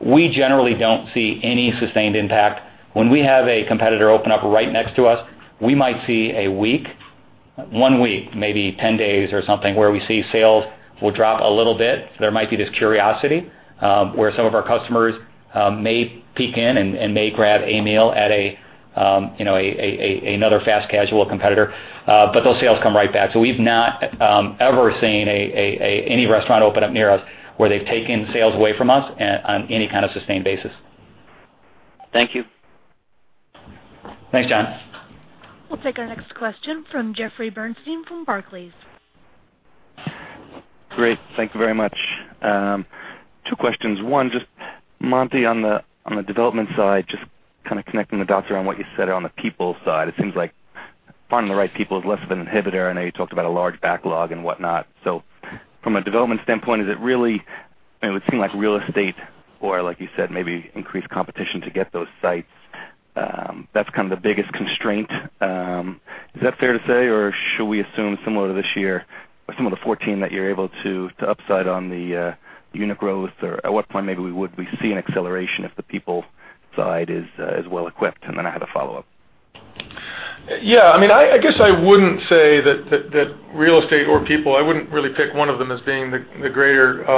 Speaker 5: We generally don't see any sustained impact. When we have a competitor open up right next to us, we might see a week, one week, maybe 10 days or something, where we see sales will drop a little bit. There might be this curiosity, where some of our customers may peek in and may grab a meal at another fast casual competitor, but those sales come right back. We've not ever seen any restaurant open up near us where they've taken sales away from us on any kind of sustained basis.
Speaker 8: Thank you.
Speaker 5: Thanks, John.
Speaker 1: We'll take our next question from Jeffrey Bernstein from Barclays.
Speaker 9: Great. Thank you very much. Two questions. One, just Monty on the development side, just kind of connecting the dots around what you said on the people side. It seems like finding the right people is less of an inhibitor. I know you talked about a large backlog and whatnot. From a development standpoint, is it really, and it would seem like real estate or like you said, maybe increased competition to get those sites, that's kind of the biggest constraint. Is that fair to say, or should we assume similar to this year or some of the 2014 that you're able to upside on the unit growth? Or at what point maybe would we see an acceleration if the people side is well-equipped? Then I had a follow-up.
Speaker 4: Yeah, I guess I wouldn't say that real estate or people, I wouldn't really pick one of them as being the greater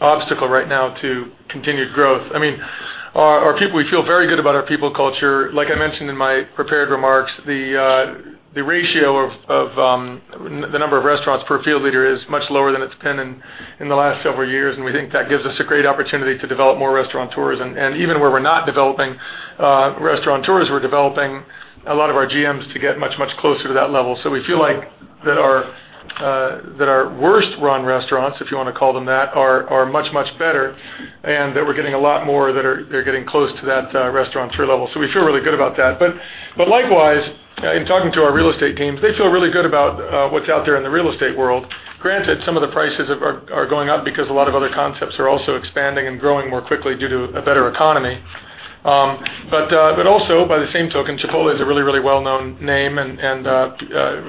Speaker 4: obstacle right now to continued growth. Our people, we feel very good about our people culture. Like I mentioned in my prepared remarks, the ratio of the number of restaurants per field leader is much lower than it's been in the last several years, and we think that gives us a great opportunity to develop more Restaurateurs. Even where we're not developing Restaurateurs, we're developing a lot of our GMs to get much, much closer to that level. We feel like that our worst run restaurants, if you want to call them that, are much, much better, and that we're getting a lot more that are getting close to that Restaurateur level. We feel really good about that. Likewise, in talking to our real estate teams, they feel really good about what's out there in the real estate world. Granted, some of the prices are going up because a lot of other concepts are also expanding and growing more quickly due to a better economy. Also by the same token, Chipotle is a really, really well-known name, and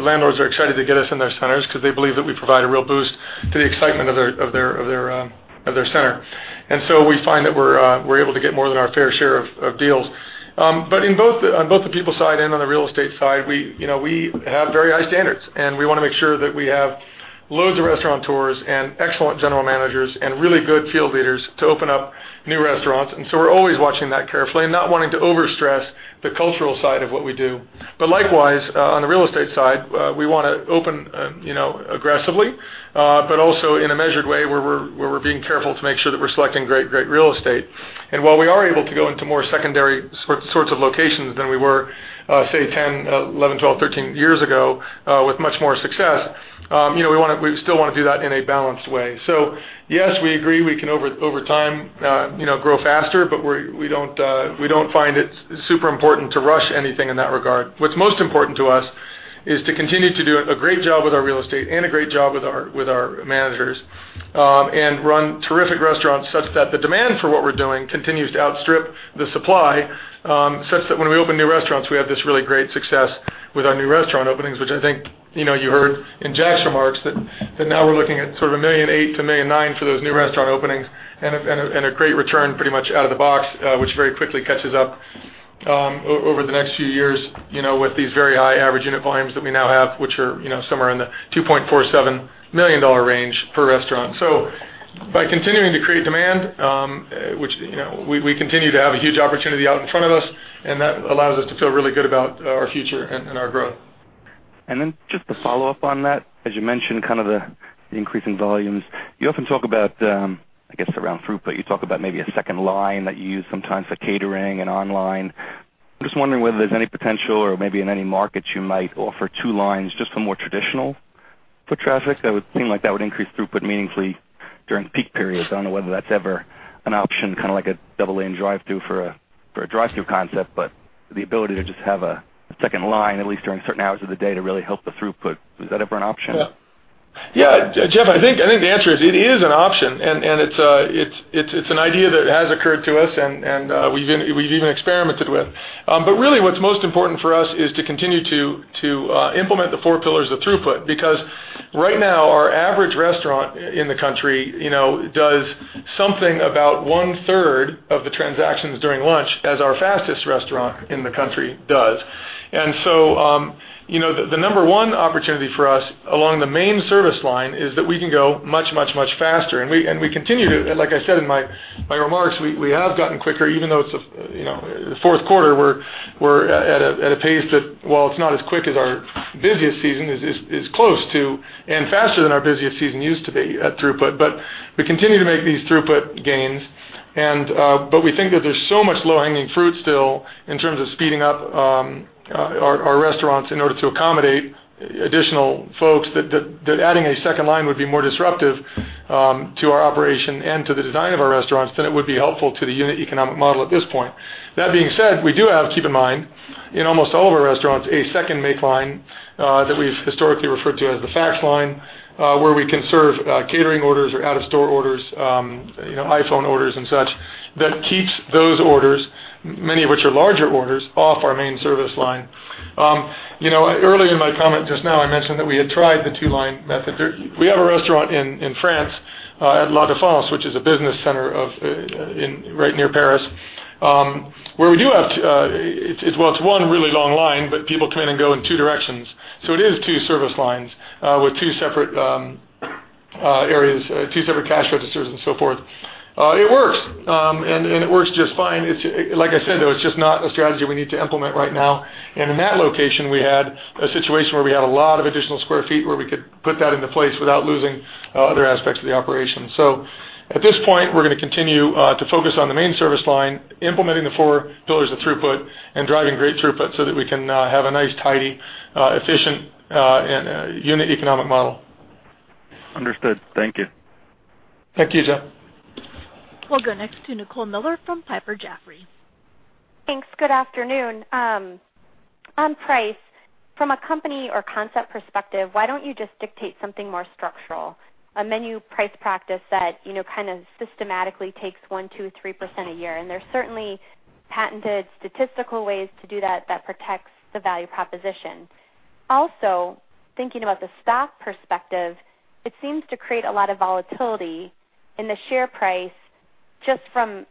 Speaker 4: landlords are excited to get us in their centers because they believe that we provide a real boost to the excitement of their center. We find that we're able to get more than our fair share of deals. On both the people side and on the real estate side, we have very high standards, and we want to make sure that we have loads of Restaurateurs and excellent general managers and really good field leaders to open up new restaurants. We're always watching that carefully and not wanting to overstress the cultural side of what we do. Likewise, on the real estate side, we want to open aggressively, but also in a measured way where we're being careful to make sure that we're selecting great real estate. While we are able to go into more secondary sorts of locations than we were, say, 10, 11, 12, 13 years ago with much more success, we still want to do that in a balanced way. Yes, we agree we can over time grow faster, but we don't find it super important to rush anything in that regard. What's most important to us is to continue to do a great job with our real estate and a great job with our managers, and run terrific restaurants such that the demand for what we're doing continues to outstrip the supply, such that when we open new restaurants, we have this really great success with our new restaurant openings, which I think you heard in Jack's remarks that now we're looking at sort of a $1.8 million to $1.9 million for those new restaurant openings, and a great return pretty much out of the box, which very quickly catches up over the next few years with these very high average unit volumes that we now have, which are somewhere in the $2.47 million range per restaurant. By continuing to create demand, which we continue to have a huge opportunity out in front of us, that allows us to feel really good about our future and our growth.
Speaker 9: Just to follow up on that, as you mentioned, the increase in volumes, you often talk about, I guess, around throughput, you talk about maybe a second line that you use sometimes for catering and online. I'm just wondering whether there's any potential or maybe in any markets you might offer two lines, just for more traditional foot traffic. That would seem like that would increase throughput meaningfully during peak periods. I don't know whether that's ever an option, kind of like a double lane drive-thru for a drive-thru concept, but the ability to just have a second line, at least during certain hours of the day, to really help the throughput. Was that ever an option?
Speaker 4: Yeah. Jeff, I think the answer is it is an option, it's an idea that has occurred to us and we've even experimented with. Really what's most important for us is to continue to implement the four pillars of throughput. Right now, our average restaurant in the country does something about one-third of the transactions during lunch as our fastest restaurant in the country does. The number one opportunity for us along the main service line is that we can go much, much, much faster. We continue to, like I said in my remarks, we have gotten quicker, even though the fourth quarter, we're at a pace that, while it's not as quick as our busiest season, is close to and faster than our busiest season used to be at throughput. We continue to make these throughput gains. We think that there's so much low-hanging fruit still in terms of speeding up our restaurants in order to accommodate additional folks, that adding a second line would be more disruptive to our operation and to the design of our restaurants than it would be helpful to the unit economic model at this point. That being said, we do have, keep in mind, in almost all of our restaurants, a second make line that we've historically referred to as the fax line, where we can serve catering orders or out-of-store orders, iPhone orders and such, that keeps those orders, many of which are larger orders, off our main service line. Earlier in my comment just now, I mentioned that we had tried the two-line method. We have a restaurant in France at La Défense, which is a business center right near Paris, where we do have well, it's one really long line, but people come in and go in two directions. It is two service lines with two separate areas, two separate cash registers and so forth. It works, it works just fine. Like I said, though, it's just not a strategy we need to implement right now. In that location, we had a situation where we had a lot of additional square feet where we could put that into place without losing other aspects of the operation. At this point, we're going to continue to focus on the main service line, implementing the four pillars of throughput and driving great throughput so that we can have a nice, tidy, efficient unit economic model.
Speaker 9: Understood. Thank you.
Speaker 4: Thank you, Jeff.
Speaker 1: We'll go next to Nicole Miller from Piper Jaffray.
Speaker 10: Thanks. Good afternoon. On price, from a company or concept perspective, why don't you just dictate something more structural, a menu price practice that kind of systematically takes 1%, 2%, 3% a year? There's certainly patented statistical ways to do that protects the value proposition. Also, thinking about the stock perspective, it seems to create a lot of volatility in the share price just from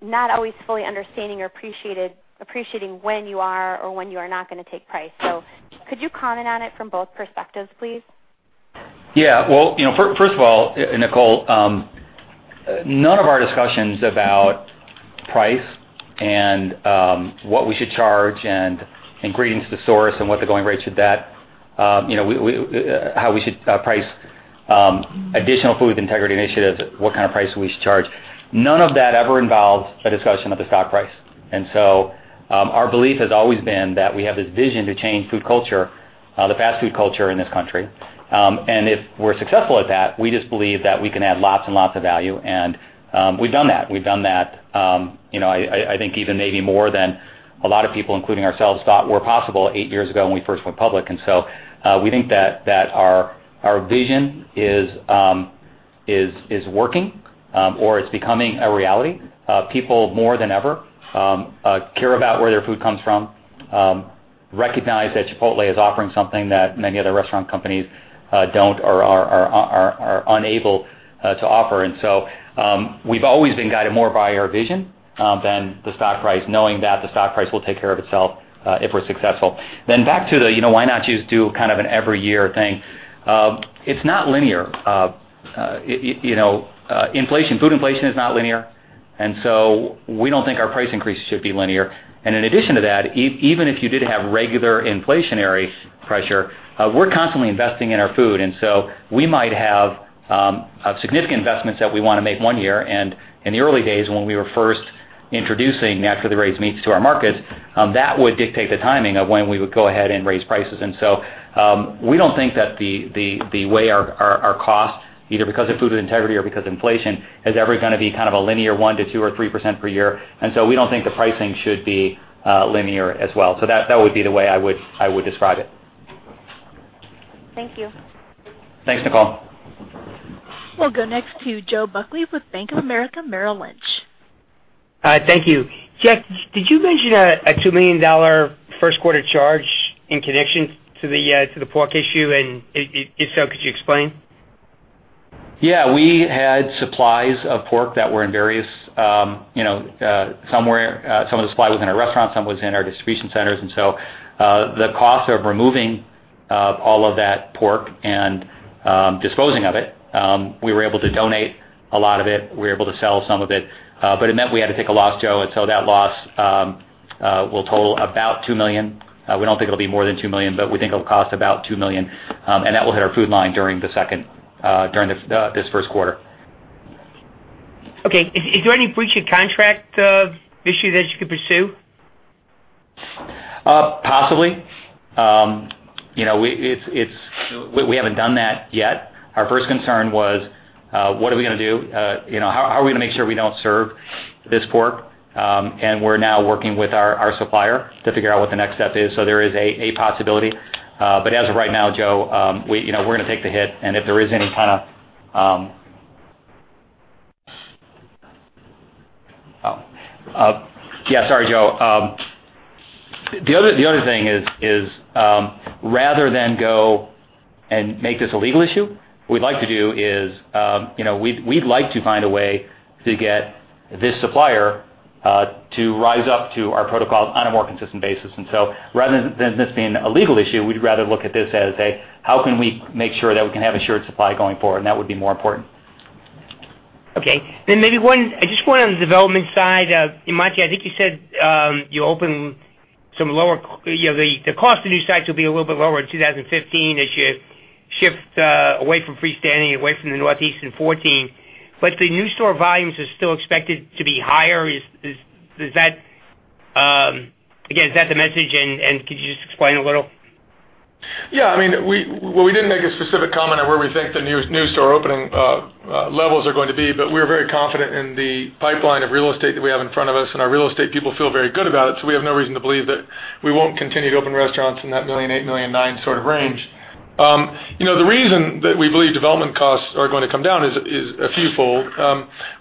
Speaker 10: not always fully understanding or appreciating when you are or when you are not going to take price. Could you comment on it from both perspectives, please?
Speaker 5: Well, first of all, Nicole, none of our discussions about price and what we should charge and ingredients to the source and what the going rate how we should price additional food integrity initiatives, what kind of price we charge. None of that ever involves a discussion of the stock price. Our belief has always been that we have this vision to change food culture, the fast food culture in this country. If we're successful at that, we just believe that we can add lots and lots of value, and we've done that. We've done that I think even maybe more than a lot of people, including ourselves, thought were possible eight years ago when we first went public. We think that our vision is working or it's becoming a reality. People, more than ever, care about where their food comes from, recognize that Chipotle is offering something that many other restaurant companies don't or are unable to offer. We've always been guided more by our vision than the stock price, knowing that the stock price will take care of itself if we're successful. Back to the, why not just do kind of an every year thing? It's not linear. Food inflation is not linear, we don't think our price increases should be linear. In addition to that, even if you did have regular inflationary pressure, we're constantly investing in our food, we might have significant investments that we want to make one year. In the early days when we were first introducing naturally raised meats to our markets, that would dictate the timing of when we would go ahead and raise prices. We don't think that the way our cost, either because of food integrity or because of inflation, is ever going to be kind of a linear 1% to 2% or 3% per year. We don't think the pricing should be linear as well. That would be the way I would describe it.
Speaker 10: Thank you.
Speaker 5: Thanks, Nicole.
Speaker 1: We'll go next to Joseph Buckley with Bank of America Merrill Lynch.
Speaker 11: Thank you. Jack, did you mention a $2 million first quarter charge in connection to the pork issue? If so, could you explain?
Speaker 5: Yeah. We had supplies of pork that were in some of the supply was in our restaurants, some was in our distribution centers. The cost of removing all of that pork and disposing of it. We were able to donate a lot of it. We were able to sell some of it, but it meant we had to take a loss, Joe, that loss will total about $2 million. We don't think it'll be more than $2 million, but we think it'll cost about $2 million, and that will hit our food line during this first quarter.
Speaker 11: Okay. Is there any breach of contract issue that you could pursue?
Speaker 5: Possibly. We haven't done that yet. Our first concern was, what are we going to do? How are we going to make sure we don't serve this pork? We're now working with our supplier to figure out what the next step is. There is a possibility. As of right now, Joe, we're going to take the hit, and if there is any kind of. Sorry, Joe. The other thing is, rather than go and make this a legal issue, what we'd like to do is, we'd like to find a way to get this supplier to rise up to our protocols on a more consistent basis. Rather than this being a legal issue, we'd rather look at this as a, how can we make sure that we can have assured supply going forward? That would be more important.
Speaker 11: Okay. Maybe just one on the development side. Monty, I think you said the cost of new sites will be a little bit lower in 2015 as you shift away from freestanding, away from the Northeast in 2014. The new store volumes are still expected to be higher. Again, is that the message, and could you just explain a little?
Speaker 4: Yeah. We didn't make a specific comment on where we think the new store opening levels are going to be. We're very confident in the pipeline of real estate that we have in front of us, and our real estate people feel very good about it. We have no reason to believe that we won't continue to open restaurants in that $1.8 million, $1.9 million sort of range. The reason that we believe development costs are going to come down is a few fold.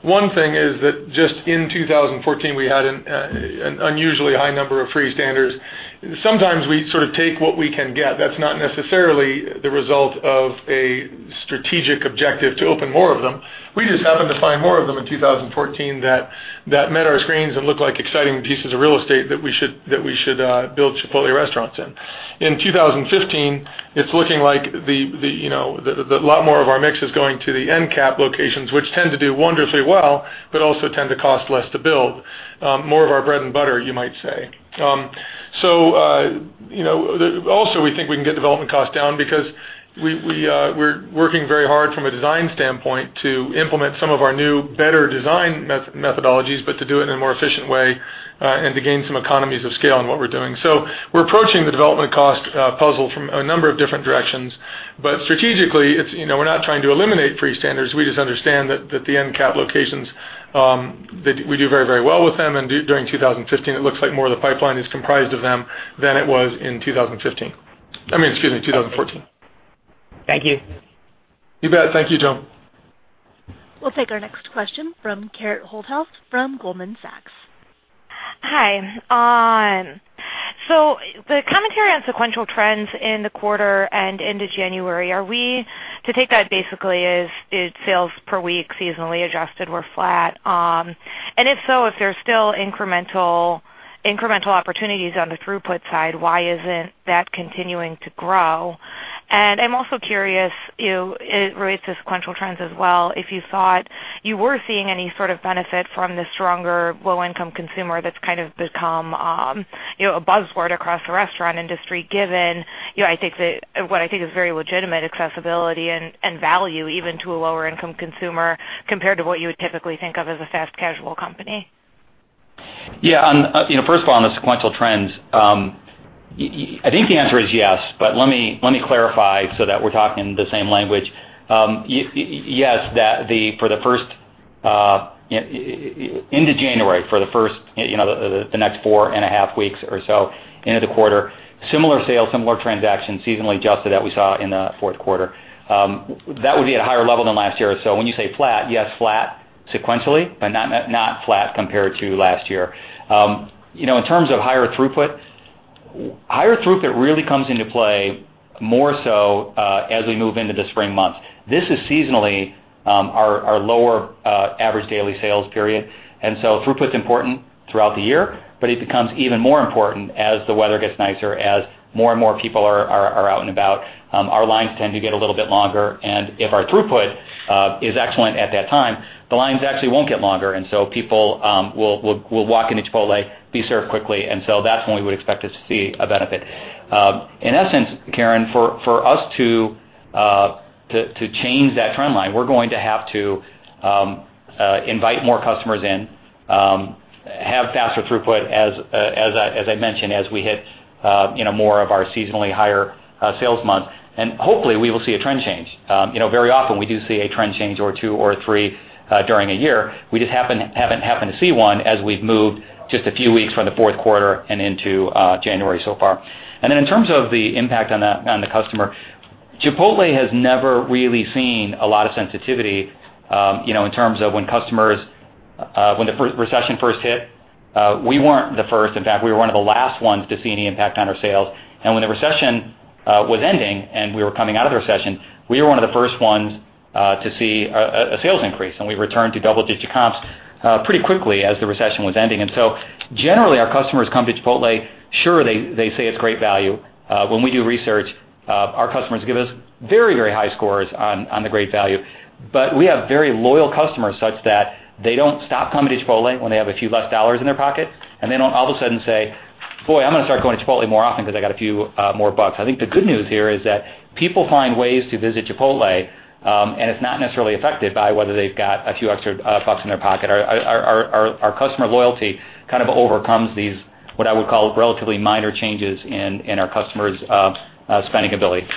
Speaker 4: One thing is that just in 2014, we had an unusually high number of free standers. Sometimes we sort of take what we can get. That's not necessarily the result of a strategic objective to open more of them. We just happened to find more of them in 2014 that met our screens and looked like exciting pieces of real estate that we should build Chipotle restaurants in. In 2015, it's looking like a lot more of our mix is going to the end cap locations, which tend to do wonderfully well, but also tend to cost less to build. More of our bread and butter, you might say. Also, we think we can get development costs down because we're working very hard from a design standpoint to implement some of our new better design methodologies, but to do it in a more efficient way and to gain some economies of scale on what we're doing. We're approaching the development cost puzzle from a number of different directions. Strategically, we're not trying to eliminate free standers. We just understand that the end cap locations, that we do very well with them. During 2015, it looks like more of the pipeline is comprised of them than it was in 2015. Excuse me, 2014.
Speaker 11: Thank you.
Speaker 4: You bet. Thank you, Joe.
Speaker 1: We'll take our next question from Karen Holthouse from Goldman Sachs.
Speaker 12: Hi. The commentary on sequential trends in the quarter and into January, are we to take that basically as sales per week seasonally adjusted were flat? If so, if there's still incremental opportunities on the throughput side, why isn't that continuing to grow? I'm also curious, it relates to sequential trends as well, if you thought you were seeing any sort of benefit from the stronger low-income consumer that's kind of become a buzzword across the restaurant industry, given what I think is very legitimate accessibility and value even to a lower income consumer compared to what you would typically think of as a fast casual company.
Speaker 5: Yeah. First of all, on the sequential trends, I think the answer is yes, but let me clarify so that we're talking the same language. Yes, into January, for the next four and a half weeks or so into the quarter, similar sales, similar transactions seasonally adjusted that we saw in the fourth quarter. That would be at a higher level than last year or so. When you say flat, yes flat sequentially, but not flat compared to last year. In terms of higher throughput, higher throughput really comes into play more so as we move into the spring months. This is seasonally our lower average daily sales period, throughput's important throughout the year, but it becomes even more important as the weather gets nicer, as more and more people are out and about. Our lines tend to get a little bit longer, if our throughput is excellent at that time, the lines actually won't get longer, people will walk into Chipotle, be served quickly, so that's when we would expect to see a benefit. In essence, Karen, for us to change that trend line, we're going to have to invite more customers in, have faster throughput, as I mentioned, as we hit more of our seasonally higher sales month. Hopefully we will see a trend change. Very often we do see a trend change or two or three during a year. We just haven't happened to see one as we've moved just a few weeks from the fourth quarter and into January so far. In terms of the impact on the customer, Chipotle has never really seen a lot of sensitivity in terms of when the recession first hit. We weren't the first. In fact, we were one of the last ones to see any impact on our sales. When the recession was ending and we were coming out of the recession, we were one of the first ones to see a sales increase, and we returned to double-digit comps pretty quickly as the recession was ending. Generally, our customers come to Chipotle. Sure, they say it's great value. When we do research, our customers give us very high scores on the great value. We have very loyal customers such that they don't stop coming to Chipotle when they have a few less dollars in their pocket, and they don't all of a sudden say, "Boy, I'm going to start going to Chipotle more often because I got a few more bucks." I think the good news here is that people find ways to visit Chipotle, and it's not necessarily affected by whether they've got a few extra bucks in their pocket. Our customer loyalty kind of overcomes these, what I would call, relatively minor changes in our customers' spending ability.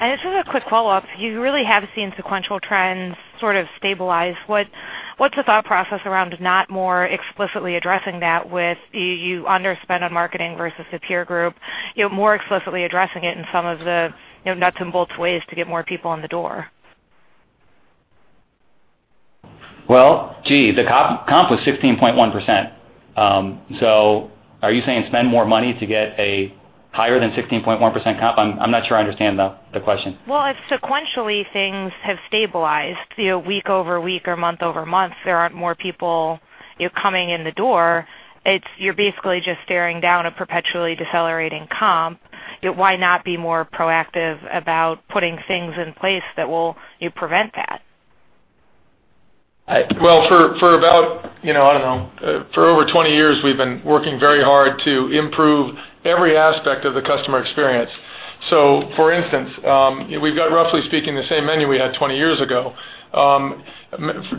Speaker 12: Just as a quick follow-up, you really have seen sequential trends sort of stabilize. What's the thought process around not more explicitly addressing that with you underspend on marketing versus the peer group, more explicitly addressing it in some of the nuts and bolts ways to get more people in the door?
Speaker 5: Well, gee, the comp was 16.1%. Are you saying spend more money to get a higher than 16.1% comp? I'm not sure I understand the question.
Speaker 12: Well, if sequentially things have stabilized, week-over-week or month-over-month, there aren't more people coming in the door. You're basically just staring down a perpetually decelerating comp. Why not be more proactive about putting things in place that will prevent that?
Speaker 4: Well, for over 20 years, we've been working very hard to improve every aspect of the customer experience. For instance, we've got roughly speaking, the same menu we had 20 years ago.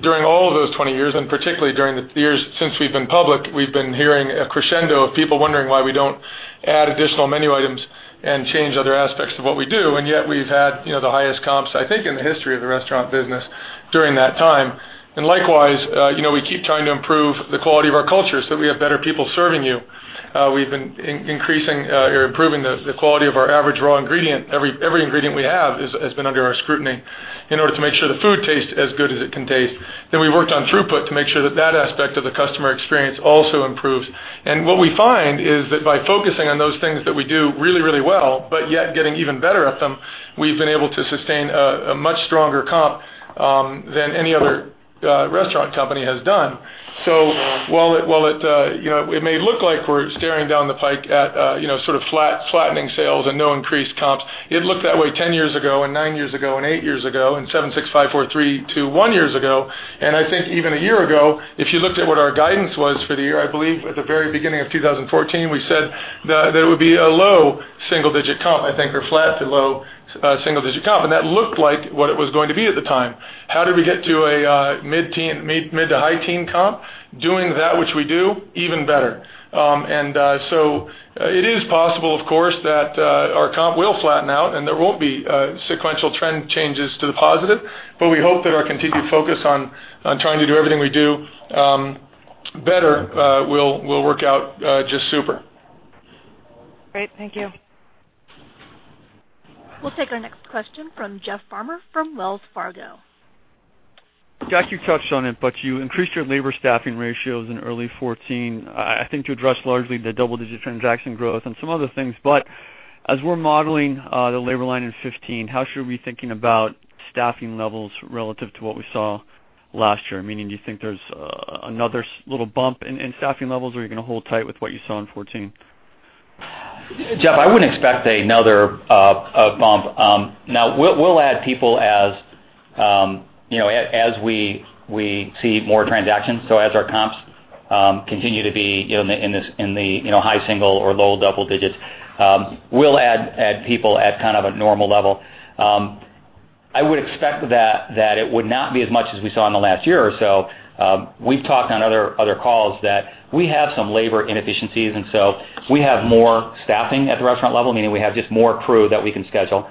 Speaker 4: During all of those 20 years, particularly during the years since we've been public, we've been hearing a crescendo of people wondering why we don't add additional menu items and change other aspects of what we do, yet we've had the highest comps, I think, in the history of the restaurant business during that time. Likewise, we keep trying to improve the quality of our culture so we have better people serving you. We've been improving the quality of our average raw ingredient. Every ingredient we have has been under our scrutiny in order to make sure the food tastes as good as it can taste. We worked on throughput to make sure that that aspect of the customer experience also improves. What we find is that by focusing on those things that we do really, really well, yet getting even better at them, we've been able to sustain a much stronger comp than any other restaurant company has done. While it may look like we're staring down the pike at sort of flattening sales and no increased comps, it looked that way 10 years ago and nine years ago and eight years ago, seven, six, five, four, three, two, one years ago. I think even a year ago, if you looked at what our guidance was for the year, I believe at the very beginning of 2014, we said that it would be a low single-digit comp, I think, or flat to low single-digit comp, that looked like what it was going to be at the time. How did we get to a mid to high teen comp? Doing that which we do even better. It is possible, of course, that our comp will flatten out and there won't be sequential trend changes to the positive. We hope that our continued focus on trying to do everything we do better, will work out just super.
Speaker 12: Great. Thank you.
Speaker 1: We'll take our next question from Jeff Farmer from Wells Fargo.
Speaker 13: Jack, you touched on it, you increased your labor staffing ratios in early 2014, I think to address largely the double-digit transaction growth and some other things. As we're modeling the labor line in 2015, how should we be thinking about staffing levels relative to what we saw last year? Meaning, do you think there's another little bump in staffing levels, or are you going to hold tight with what you saw in 2014?
Speaker 5: Jeff, I wouldn't expect another bump. We'll add people as we see more transactions. As our comps continue to be in the high single or low double digits, we'll add people at kind of a normal level. I would expect that it would not be as much as we saw in the last year or so. We've talked on other calls that we have some labor inefficiencies, we have more staffing at the restaurant level, meaning we have just more crew that we can schedule.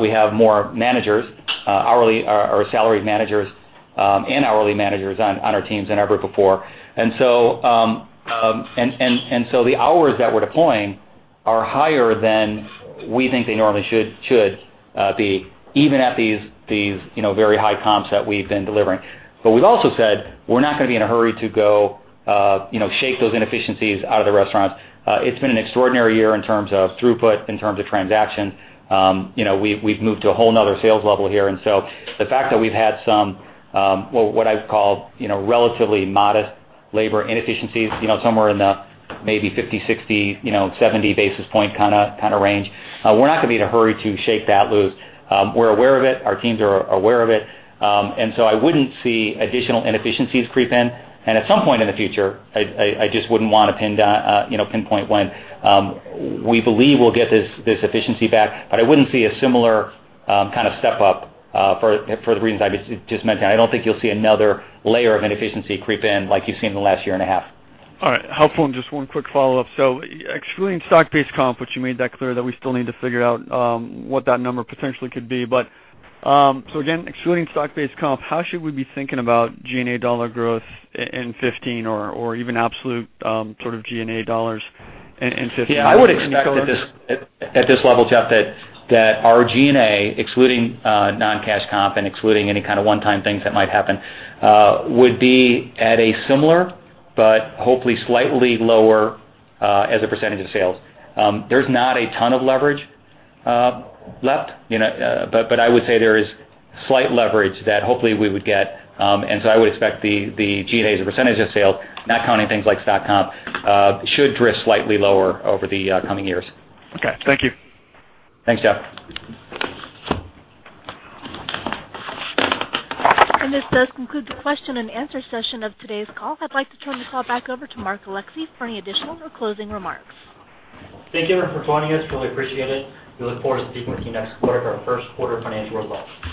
Speaker 5: We have more managers, hourly or salaried managers, and hourly managers on our teams than ever before. The hours that we're deploying are higher than we think they normally should be, even at these very high comps that we've been delivering. We've also said we're not going to be in a hurry to go shake those inefficiencies out of the restaurants. It's been an extraordinary year in terms of throughput, in terms of transaction. We've moved to a whole other sales level here, and so the fact that we've had some, what I've called relatively modest labor inefficiencies, somewhere in the maybe 50, 60, 70 basis point kind of range. We're not going to be in a hurry to shake that loose. We're aware of it. Our teams are aware of it. I wouldn't see additional inefficiencies creep in. At some point in the future, I just wouldn't want to pinpoint when, we believe we'll get this efficiency back, but I wouldn't see a similar kind of step up, for the reasons I just mentioned. I don't think you'll see another layer of inefficiency creep in like you've seen in the last year and a half.
Speaker 13: All right. Helpful. Just one quick follow-up. Excluding stock-based comp, which you made that clear that we still need to figure out what that number potentially could be. Again, excluding stock-based comp, how should we be thinking about G&A dollar growth in 2015 or even absolute sort of G&A dollars in 2015?
Speaker 5: I would expect at this level, Jeff, that our G&A, excluding non-cash comp and excluding any kind of one-time things that might happen, would be at a similar but hopefully slightly lower as a percentage of sales. There's not a ton of leverage left, but I would say there is slight leverage that hopefully we would get. I would expect the G&A as a percentage of sales, not counting things like stock comp, should drift slightly lower over the coming years.
Speaker 13: Okay. Thank you.
Speaker 5: Thanks, Jeff.
Speaker 1: This does conclude the question and answer session of today's call. I'd like to turn the call back over to Mark Alexee for any additional or closing remarks.
Speaker 2: Thank you everyone for joining us. Really appreciate it. We look forward to speaking with you next quarter for our first quarter financial results.